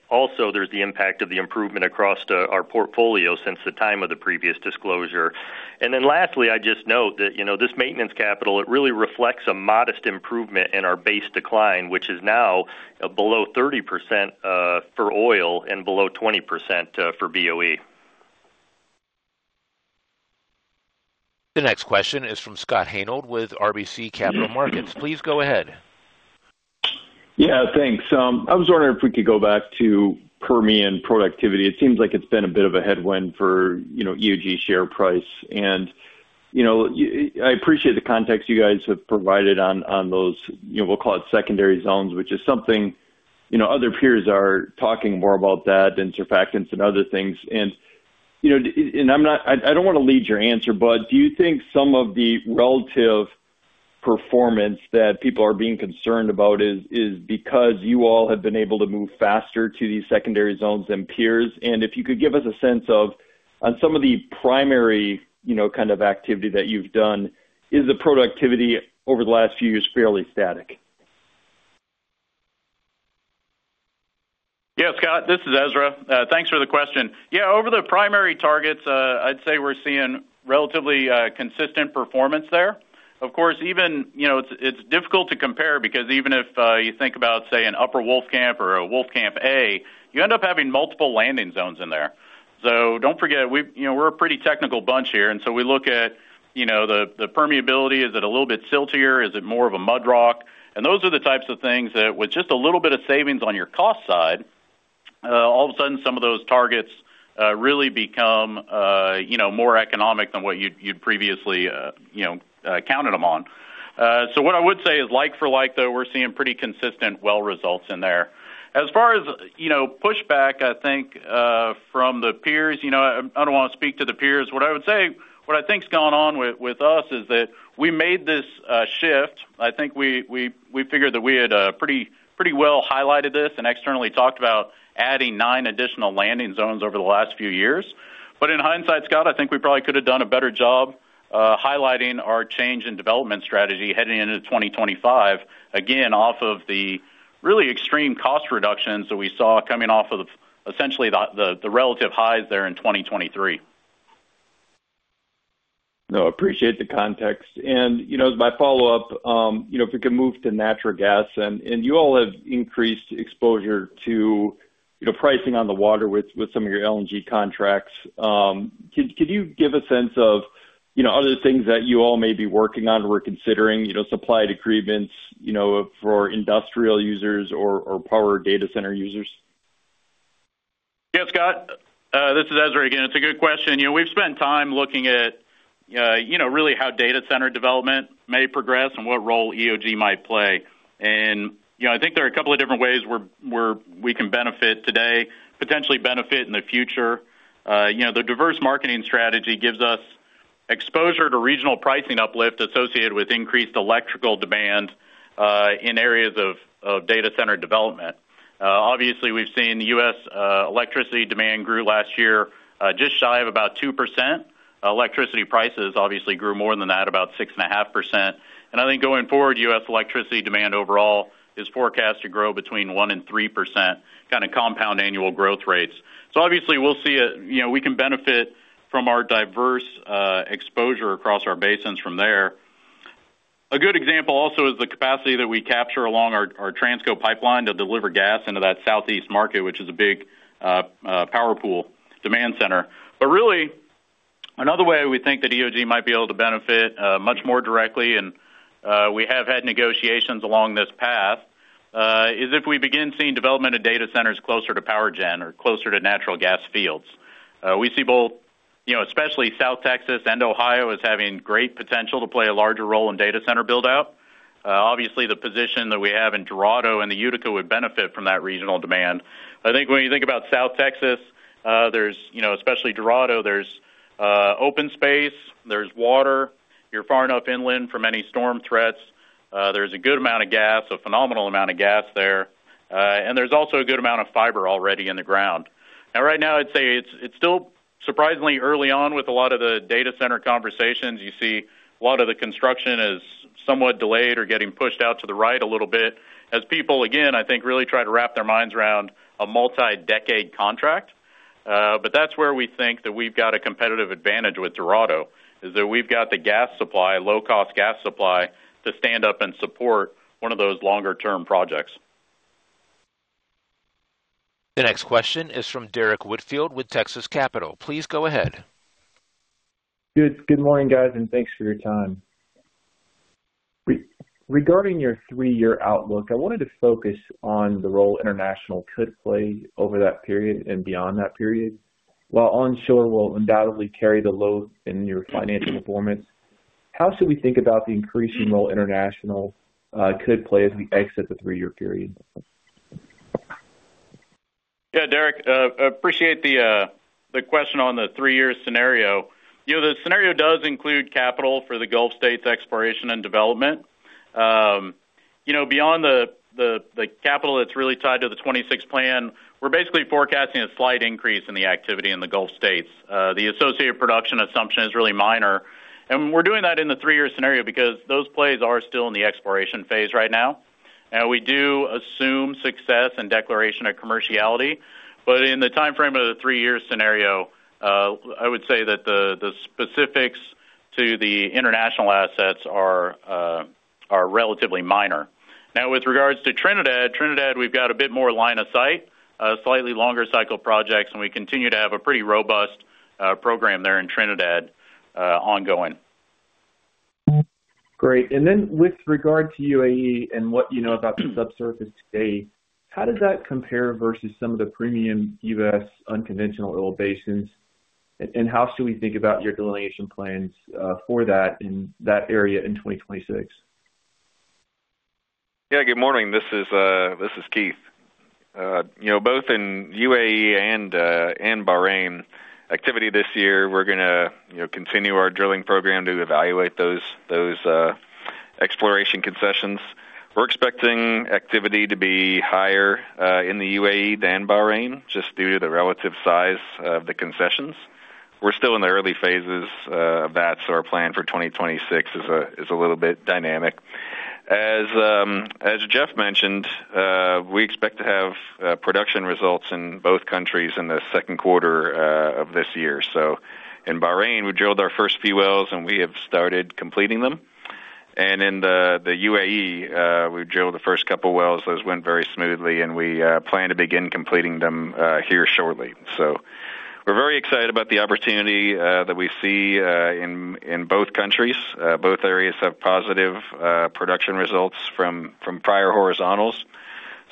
also there's the impact of the improvement across the, our portfolio since the time of the previous disclosure. Lastly, I just note that, you know, this maintenance capital, it really reflects a modest improvement in our base decline, which is now below 30% for oil and below 20% for BOE. The next question is from Scott Hanold with RBC Capital Markets. Please go ahead. Yeah, thanks. I was wondering if we could go back to Permian productivity. It seems like it's been a bit of a headwind for, you know, EOG share price. I appreciate the context you guys have provided on those, you know, we'll call it secondary zones, which is something, you know, other peers are talking more about that and surfactants and other things. You know, I don't want to lead your answer, but do you think some of the relative performance that people are being concerned about is because you all have been able to move faster to these secondary zones than peers? If you could give us a sense of, on some of the primary, you know, kind of activity that you've done, is the productivity over the last few years fairly static? Scott, this is Ezra. Thanks for the question. Over the primary targets, I'd say we're seeing relatively consistent performance there. Of course, even... You know, it's difficult to compare because even if you think about, say, an Upper Wolfcamp or a Wolfcamp A, you end up having multiple landing zones in there. Don't forget, you know, we're a pretty technical bunch here, and so we look at, you know, the permeability. Is it a little bit siltier? Is it more of a mud rock? Those are the types of things that, with just a little bit of savings on your cost side, all of a sudden, some of those targets really become, you know, more economic than what you'd previously, you know, counted them on. What I would say is, like for like, though, we're seeing pretty consistent well results in there. As far as, you know, pushback, I think, from the peers, you know, I don't want to speak to the peers. What I would say, what I think is going on with us, is that we made this shift. I think we figured that we had pretty well highlighted this and externally talked about adding nine additional landing zones over the last few years. In hindsight, Scott, I think we probably could have done a better job highlighting our change in development strategy heading into 2025, again, off of the really extreme cost reductions that we saw coming off of essentially the relative highs there in 2023. No, appreciate the context. You know, as my follow-up, you know, if we could move to natural gas, and you all have increased exposure to, you know, pricing on the water with some of your LNG contracts. Could you give a sense of, you know, other things that you all may be working on or considering, you know, supply agreements, you know, for industrial users or power data center users? Yeah, Scott, this is Ezra again. It's a good question. You know, we've spent time looking at, you know, really how data center development may progress and what role EOG might play. You know, I think there are a couple of different ways where we can benefit today, potentially benefit in the future. You know, the diverse marketing strategy gives us exposure to regional pricing uplift associated with increased electrical demand, in areas of data center development. Obviously, we've seen U.S. electricity demand grew last year, just shy of about 2%. Electricity prices obviously grew more than that, about 6.5%. I think going forward, U.S. electricity demand overall is forecast to grow between 1% and 3%, kind of compound annual growth rates. Obviously, we'll see, you know, we can benefit from our diverse exposure across our basins from there. A good example also is the capacity that we capture along our Transco pipeline to deliver gas into that southeast market, which is a big power pool demand center. Really, another way we think that EOG might be able to benefit much more directly, and we have had negotiations along this path, is if we begin seeing development of data centers closer to power gen or closer to natural gas fields. We see both, you know, especially South Texas and Ohio, as having great potential to play a larger role in data center build-out. Obviously, the position that we have in Dorado and the Utica would benefit from that regional demand. I think when you think about South Texas, there's, you know, especially Dorado, there's open space, there's water. You're far enough inland from any storm threats, there's a good amount of gas, a phenomenal amount of gas there, and there's also a good amount of fiber already in the ground. Right now, I'd say it's still surprisingly early on with a lot of the data center conversations. You see a lot of the construction is somewhat delayed or getting pushed out to the right a little bit as people, again, I think, really try to wrap their minds around a multi-decade contract. That's where we think that we've got a competitive advantage with Dorado, is that we've got the gas supply, low-cost gas supply, to stand up and support one of those longer term projects. The next question is from Derrick Whitfield with Texas Capital. Please go ahead. Good morning, guys, and thanks for your time. Regarding your three-year outlook, I wanted to focus on the role international could play over that period and beyond that period. While onshore will undoubtedly carry the load in your financial performance, how should we think about the increasing role international could play as we exit the three-year period? Derrick, appreciate the question on the three-year scenario. You know, the scenario does include capital for the Gulf States exploration and development. You know, beyond the capital that's really tied to the 2026 plan, we're basically forecasting a slight increase in the activity in the Gulf States. The associated production assumption is really minor, and we're doing that in the three-year scenario because those plays are still in the exploration phase right now. We do assume success and declaration of commerciality, but in the timeframe of the three-year scenario, I would say that the specifics to the international assets are relatively minor. With regards to Trinidad, we've got a bit more line of sight, slightly longer cycle projects, and we continue to have a pretty robust program there in Trinidad ongoing. Great. Then with regard to UAE and what you know about the subsurface today, how does that compare versus some of the premium U.S. unconventional oil basins? How should we think about your delineation plans for that in that area in 2026? Yeah. Good morning. This is Keith. You know, both in UAE and Bahrain, activity this year, we're gonna, you know, continue our drilling program to evaluate those exploration concessions. We're expecting activity to be higher in the UAE than Bahrain, just due to the relative size of the concessions. We're still in the early phases of that, so our plan for 2026 is a little bit dynamic. As Jeff mentioned, we expect to have production results in both countries in the Q2 of this year. In Bahrain, we drilled our first few wells, and we have started completing them. In the UAE, we've drilled the first couple wells. Those went very smoothly, and we plan to begin completing them here shortly. We're very excited about the opportunity that we see in both countries. Both areas have positive production results from prior horizontals.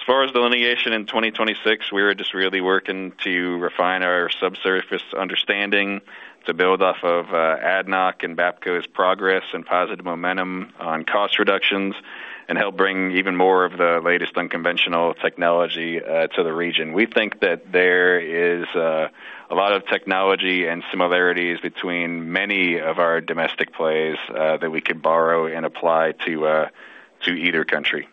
As far as delineation in 2026, we are just really working to refine our subsurface understanding to build off of ADNOC and Bapco's progress and positive momentum on cost reductions and help bring even more of the latest unconventional technology to the region. We think that there is a lot of technology and similarities between many of our domestic plays that we can borrow and apply to either country.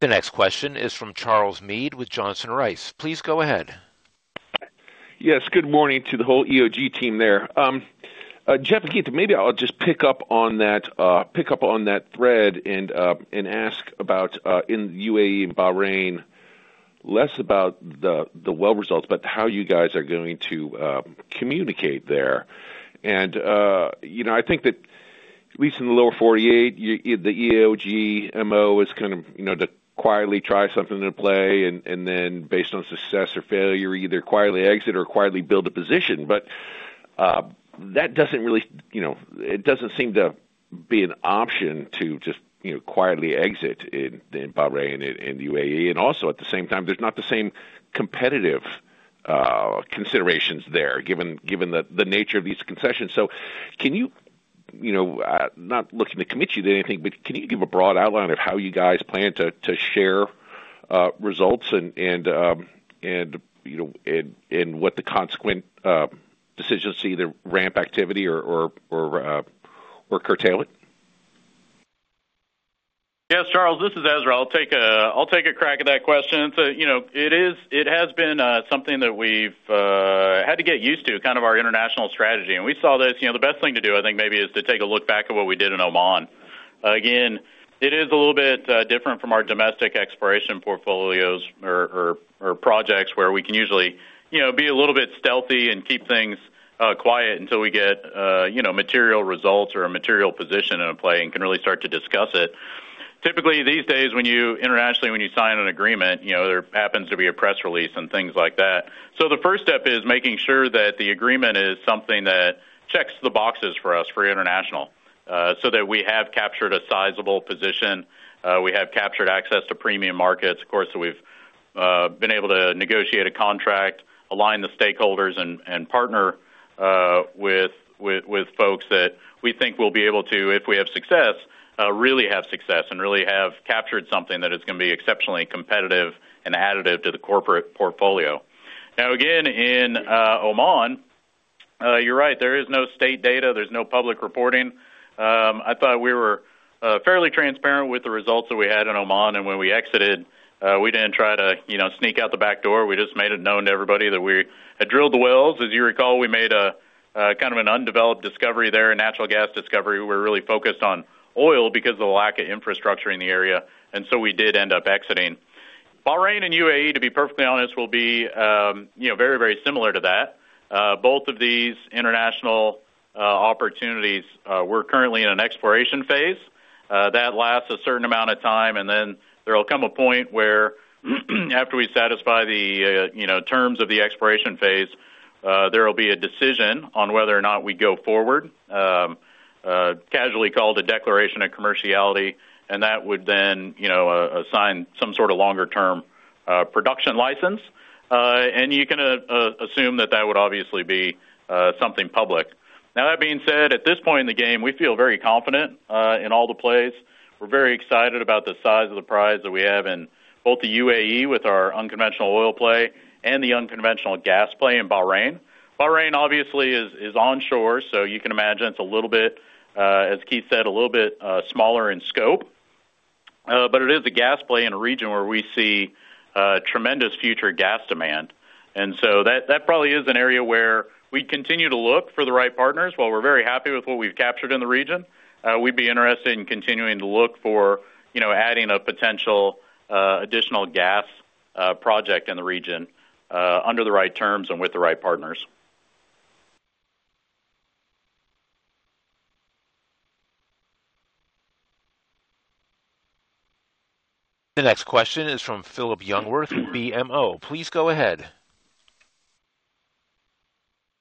The next question is from Charles Meade with Johnson Rice. Please go ahead. Good morning to the whole EOG team there. Jeff, Keith, maybe I'll just pick up on that, pick up on that thread and ask about in the UAE and Bahrain. Less about the well results, but how you guys are going to communicate there. You know, I think that at least in the lower 48, the EOG MO is kind of, you know, to quietly try something in a play, and then based on success or failure, either quietly exit or quietly build a position. That doesn't really, you know, it doesn't seem to be an option to just, you know, quietly exit in Bahrain and in UAE. Also, at the same time, there's not the same competitive considerations there, given the nature of these concessions. Can you know, not looking to commit you to anything, but can you give a broad outline of how you guys plan to share results and, you know, and what the consequent decisions to either ramp activity or curtail it? Yes, Charles, this is Ezra. I'll take a crack at that question. You know, it has been something that we've had to get used to, kind of our international strategy, and we saw this. You know, the best thing to do, I think, maybe, is to take a look back at what we did in Oman. Again, it is a little bit different from our domestic exploration portfolios or projects, where we can usually, you know, be a little bit stealthy and keep things quiet until we get, you know, material results or a material position in a play and can really start to discuss it. Typically, these days, when you internationally, when you sign an agreement, you know, there happens to be a press release and things like that. The first step is making sure that the agreement is something that checks the boxes for us for international, so that we have captured a sizable position, we have captured access to premium markets. Of course, we've been able to negotiate a contract, align the stakeholders, and partner with folks that we think will be able to, if we have success, really have success and really have captured something that is gonna be exceptionally competitive and additive to the corporate portfolio. Now, again, in Oman, you're right, there is no state data, there's no public reporting. I thought we were fairly transparent with the results that we had in Oman, and when we exited, we didn't try to, you know, sneak out the back door. We just made it known to everybody that we had drilled the wells. As you recall, we made a kind of an undeveloped discovery there, a natural gas discovery. We're really focused on oil because of the lack of infrastructure in the area, and so we did end up exiting. Bahrain and UAE, to be perfectly honest, will be, you know, very, very similar to that. Both of these international opportunities, we're currently in an exploration phase. That lasts a certain amount of time, and then there will come a point where, after we satisfy the, you know, terms of the exploration phase, there will be a decision on whether or not we go forward, casually called a declaration of commerciality, and that would then, you know, assign some sort of longer-term production license. You can assume that that would obviously be something public. That being said, at this point in the game, we feel very confident in all the plays. We're very excited about the size of the prize that we have in both the UAE, with our unconventional oil play and the unconventional gas play in Bahrain. Bahrain obviously is onshore, so you can imagine it's a little bit, as Keith said, a little bit smaller in scope. It is a gas play in a region where we see tremendous future gas demand, that probably is an area where we'd continue to look for the right partners. While we're very happy with what we've captured in the region, we'd be interested in continuing to look for, you know, adding a potential additional gas project in the region, under the right terms and with the right partners. The next question is from Phillip Jungwirth with BMO. Please go ahead.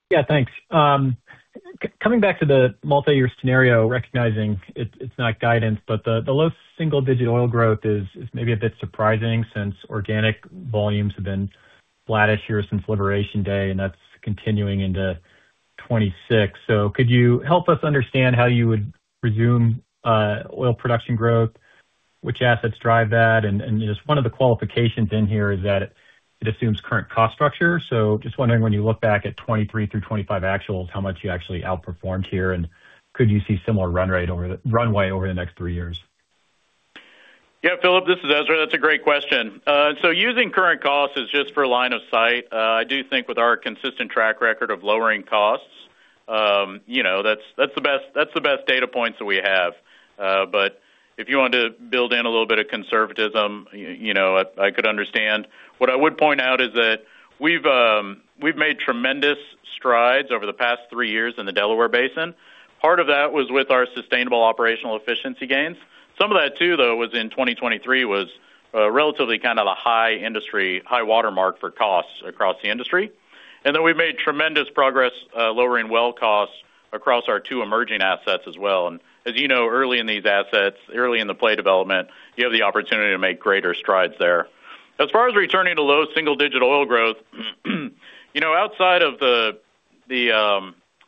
Yeah, thanks. Coming back to the multiyear scenario, recognizing it's not guidance, but the low single-digit oil growth is maybe a bit surprising, since organic volumes have been flattish here since Liberation Day, and that's continuing into 2026. Could you help us understand how you would resume oil production growth? Which assets drive that? Just one of the qualifications in here is that it assumes current cost structure. Just wondering, when you look back at 2023 through 2025 actuals, how much you actually outperformed here, and could you see similar run rate over the runway over the next 3 years? Yeah, Phillip, this is Ezra. That's a great question. Using current costs is just for line of sight. I do think with our consistent track record of lowering costs, you know, that's the best data points that we have. If you want to build in a little bit of conservatism, you know, I could understand. What I would point out is that we've made tremendous strides over the past three years in the Delaware Basin. Part of that was with our sustainable operational efficiency gains. Some of that, too, though, was in 2023, was relatively kind of a high industry, high watermark for costs across the industry. We've made tremendous progress lowering well costs across our two emerging assets as well. As you know, early in these assets, early in the play development, you have the opportunity to make greater strides there. As far as returning to low single-digit oil growth, you know, outside of the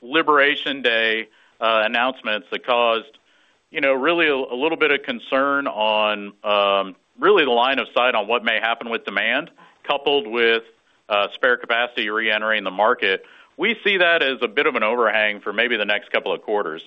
Liberation Day announcements that caused, you know, really a little bit of concern on really the line of sight on what may happen with demand, coupled with spare capacity reentering the market, we see that as a bit of an overhang for maybe the next couple of quarters.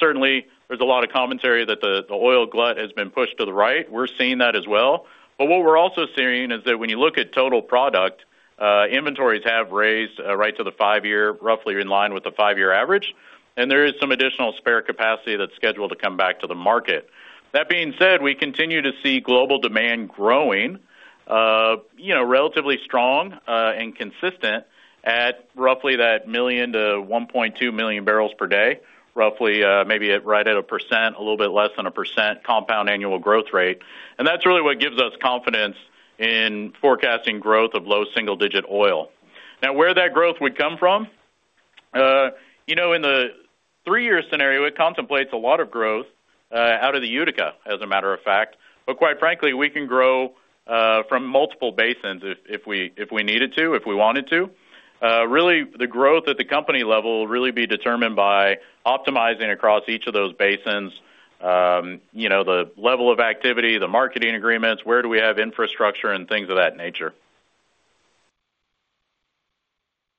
Certainly, there's a lot of commentary that the oil glut has been pushed to the right. We're seeing that as well. What we're also seeing is that when you look at total product, inventories have raised right to the five-year, roughly in line with the five-year average. There is some additional spare capacity that's scheduled to come back to the market. That being said, we continue to see global demand growing, you know, relatively strong, and consistent at roughly that 1-1.2 MMbpd, roughly, maybe at right at 1%, a little bit less than 1% compound annual growth rate. That's really what gives us confidence in forecasting growth of low single-digit oil. Now, where that growth would come from, you know, in the three-year scenario, it contemplates a lot of growth out of the Utica, as a matter of fact, but quite frankly, we can grow from multiple basins if we, if we needed to, if we wanted to. Really, the growth at the company level will really be determined by optimizing across each of those basins, you know, the level of activity, the marketing agreements, where do we have infrastructure and things of that nature.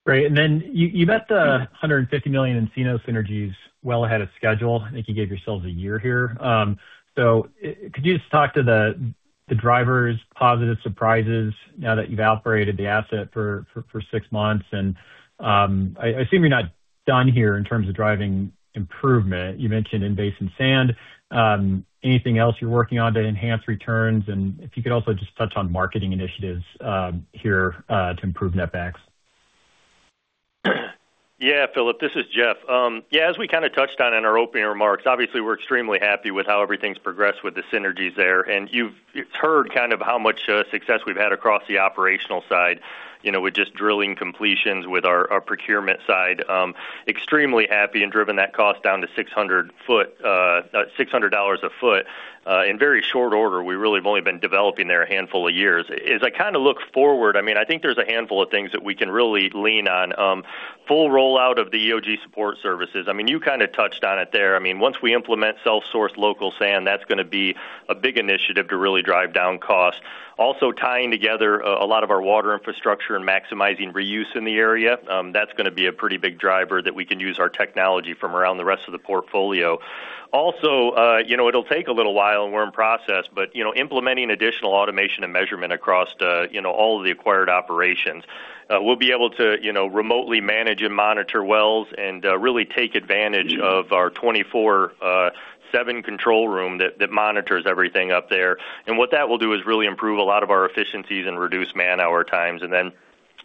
Great. Then you met the $150 million in Encino synergies well ahead of schedule. I think you gave yourselves a year here. Could you just talk to the drivers, positive surprises now that you've operated the asset for six months? I assume you're not done here in terms of driving improvement. You mentioned in basin sand. Anything else you're working on to enhance returns? If you could also just touch on marketing initiatives here to improve netbacks. Yeah, Phillip, this is Jeff. As we kind of touched on in our opening remarks, obviously, we're extremely happy with how everything's progressed with the synergies there. You've heard kind of how much success we've had across the operational side, you know, with just drilling completions with our procurement side. Extremely happy and driven that cost down to 600 ft, $600 a foot in very short order. We really have only been developing there a handful of years. As I kind of look forward, I mean, I think there's a handful of things that we can really lean on. Full rollout of the EOG support services. I mean, you kind of touched on it there. I mean, once we implement self-source local sand, that's gonna be a big initiative to really drive down costs. Tying together a lot of our water infrastructure and maximizing reuse in the area, that's gonna be a pretty big driver that we can use our technology from around the rest of the portfolio. You know, it'll take a little while, and we're in process, but, you know, implementing additional automation and measurement across the, all of the acquired operations. We'll be able to, you know, remotely manage and monitor wells and, really take advantage of our 24/7 control room that monitors everything up there. What that will do is really improve a lot of our efficiencies and reduce man-hour times. Then,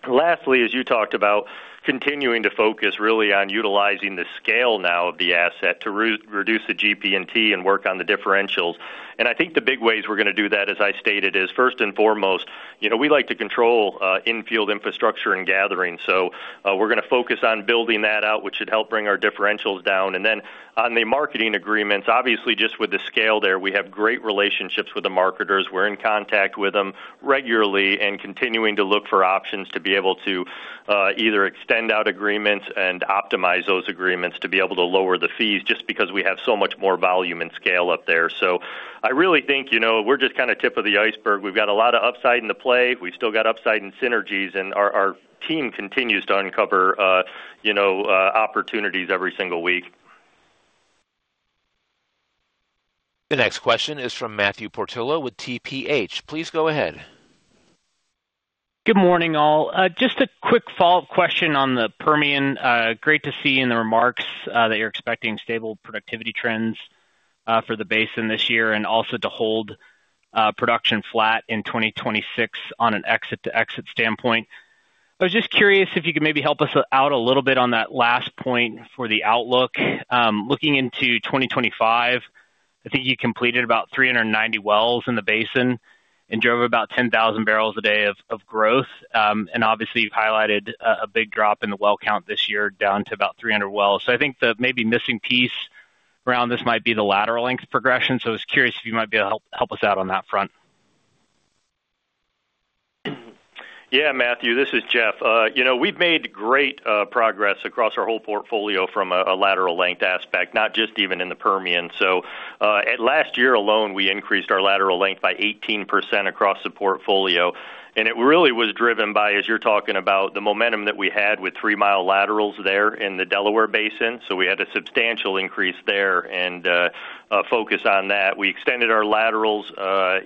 lastly, as you talked about, continuing to focus really on utilizing the scale now of the asset to reduce the GP&T and work on the differentials. I think the big ways we're gonna do that, as I stated, is first and foremost, you know, we like to control in-field infrastructure and gathering. We're gonna focus on building that out, which should help bring our differentials down. On the marketing agreements, obviously, just with the scale there, we have great relationships with the marketers. We're in contact with them regularly and continuing to look for options to be able to either extend out agreements and optimize those agreements to be able to lower the fees, just because we have so much more volume and scale up there. I really think, you know, we're just kind of tip of the iceberg. We've got a lot of upside in the play. We've still got upside in synergies. Our team continues to uncover, you know, opportunities every single week. The next question is from Matthew Portillo with TPH. Please go ahead. Good morning, all. Just a quick follow-up question on the Permian. Great to see in the remarks that you're expecting stable productivity trends for the basin this year, and also to hold production flat in 2026 on an exit-to-exit standpoint. I was just curious if you could maybe help us out a little bit on that last point for the outlook. Looking into 2025, I think you completed about 390 wells in the basin and drove about 10,000 bbl a day of growth. Obviously, you've highlighted a big drop in the well count this year, down to about 300 wells. I think the maybe missing piece around this might be the lateral length progression. I was curious if you might be able to help us out on that front. Yeah, Matthew, this is Jeff. You know, we've made great progress across our whole portfolio from a lateral length aspect, not just even in the Permian Basin. At last year alone, we increased our lateral length by 18% across the portfolio, and it really was driven by, as you're talking about, the momentum that we had with 3 mi laterals there in the Delaware Basin. We had a substantial increase there and a focus on that. We extended our laterals,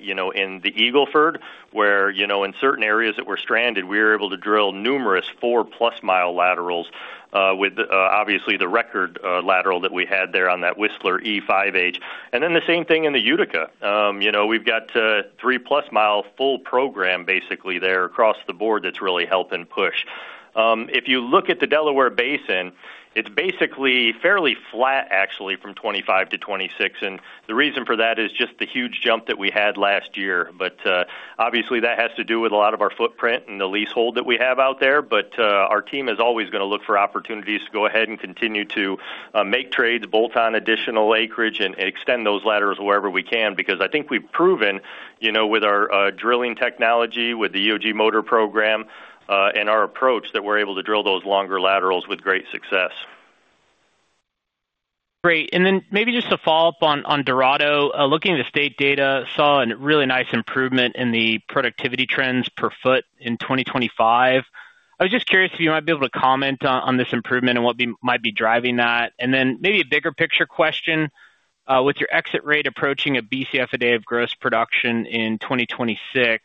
you know, in the Eagle Ford, where, you know, in certain areas that were stranded, we were able to drill numerous 4+ mi laterals with, obviously, the record lateral that we had there on that Whistler E5H. The same thing in the Utica Shale. You know, we've got 3+ mi full program basically there across the board that's really helping push. If you look at the Delaware Basin, it's basically fairly flat, actually, from 25 to 26. The reason for that is just the huge jump that we had last year. Obviously, that has to do with a lot of our footprint and the leasehold that we have out there. Our team is always gonna look for opportunities to go ahead and continue to make trades, bolt on additional acreage, and extend those laterals wherever we can, because I think we've proven, you know, with our drilling technology, with the EOG motor program and our approach, that we're able to drill those longer laterals with great success. Great. Maybe just to follow up on Dorado. Looking at the state data, saw a really nice improvement in the productivity trends per foot in 2025. I was just curious if you might be able to comment on this improvement and what might be driving that. Maybe a bigger picture question, with your exit rate approaching a Bcf a day of gross production in 2026,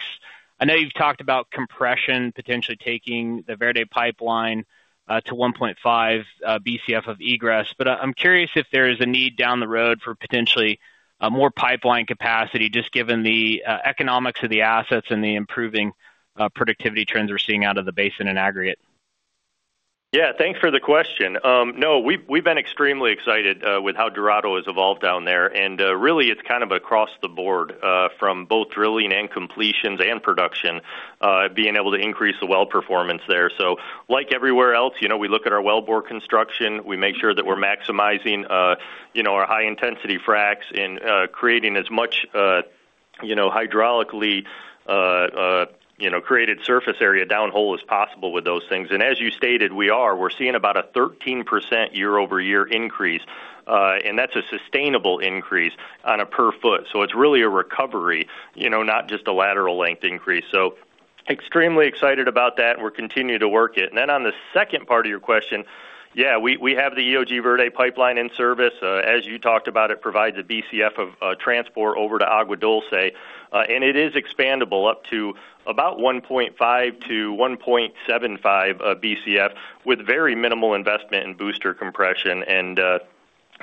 I know you've talked about compression potentially taking the Verde pipeline to 1.5 Bcf of egress. I'm curious if there is a need down the road for potentially more pipeline capacity, just given the economics of the assets and the improving productivity trends we're seeing out of the basin in aggregate? Yeah, thanks for the question. No, we've been extremely excited with how Dorado has evolved down there. Really, it's kind of across the board from both drilling and completions and production, being able to increase the well performance there. Like everywhere else, you know, we look at our wellbore construction. We make sure that we're maximizing, you know, our high-intensity fracs and creating as much, you know, hydraulically, you know, created surface area downhole as possible with those things. As you stated, we are. We're seeing about a 13% year-over-year increase, and that's a sustainable increase on a per foot. It's really a recovery, you know, not just a lateral length increase. Extremely excited about that, and we're continuing to work it. On the second part of your question, yeah, we have the EOG Verde pipeline in service. As you talked about, it provides a Bcf of transport over to Agua Dulce, and it is expandable up to about 1.5 to 1.75 Bcf, with very minimal investment in booster compression.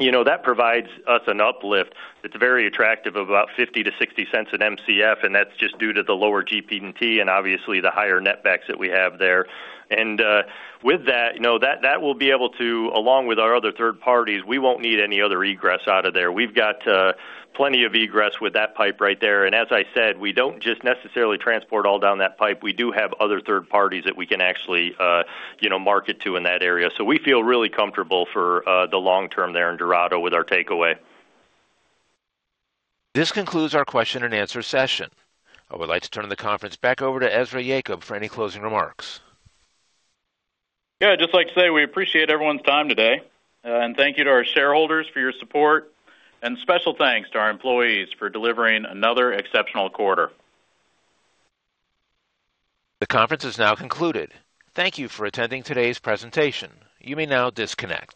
You know, that provides us an uplift that's very attractive, of about $0.50-$0.60 an Mcf, and that's just due to the lower GP&T and obviously, the higher netbacks that we have there. With that, you know, that will be able to, along with our other third parties, we won't need any other egress out of there. We've got plenty of egress with that pipe right there, and as I said, we don't just necessarily transport all down that pipe. We do have other third parties that we can actually, you know, market to in that area. We feel really comfortable for the long term there in Dorado with our takeaway. This concludes our question-and-answer session. I would like to turn the conference back over to Ezra Yacob for any closing remarks. Yeah, I'd just like to say we appreciate everyone's time today. Thank you to our shareholders for your support, and special thanks to our employees for delivering another exceptional quarter. The conference is now concluded. Thank you for attending today's presentation. You may now disconnect.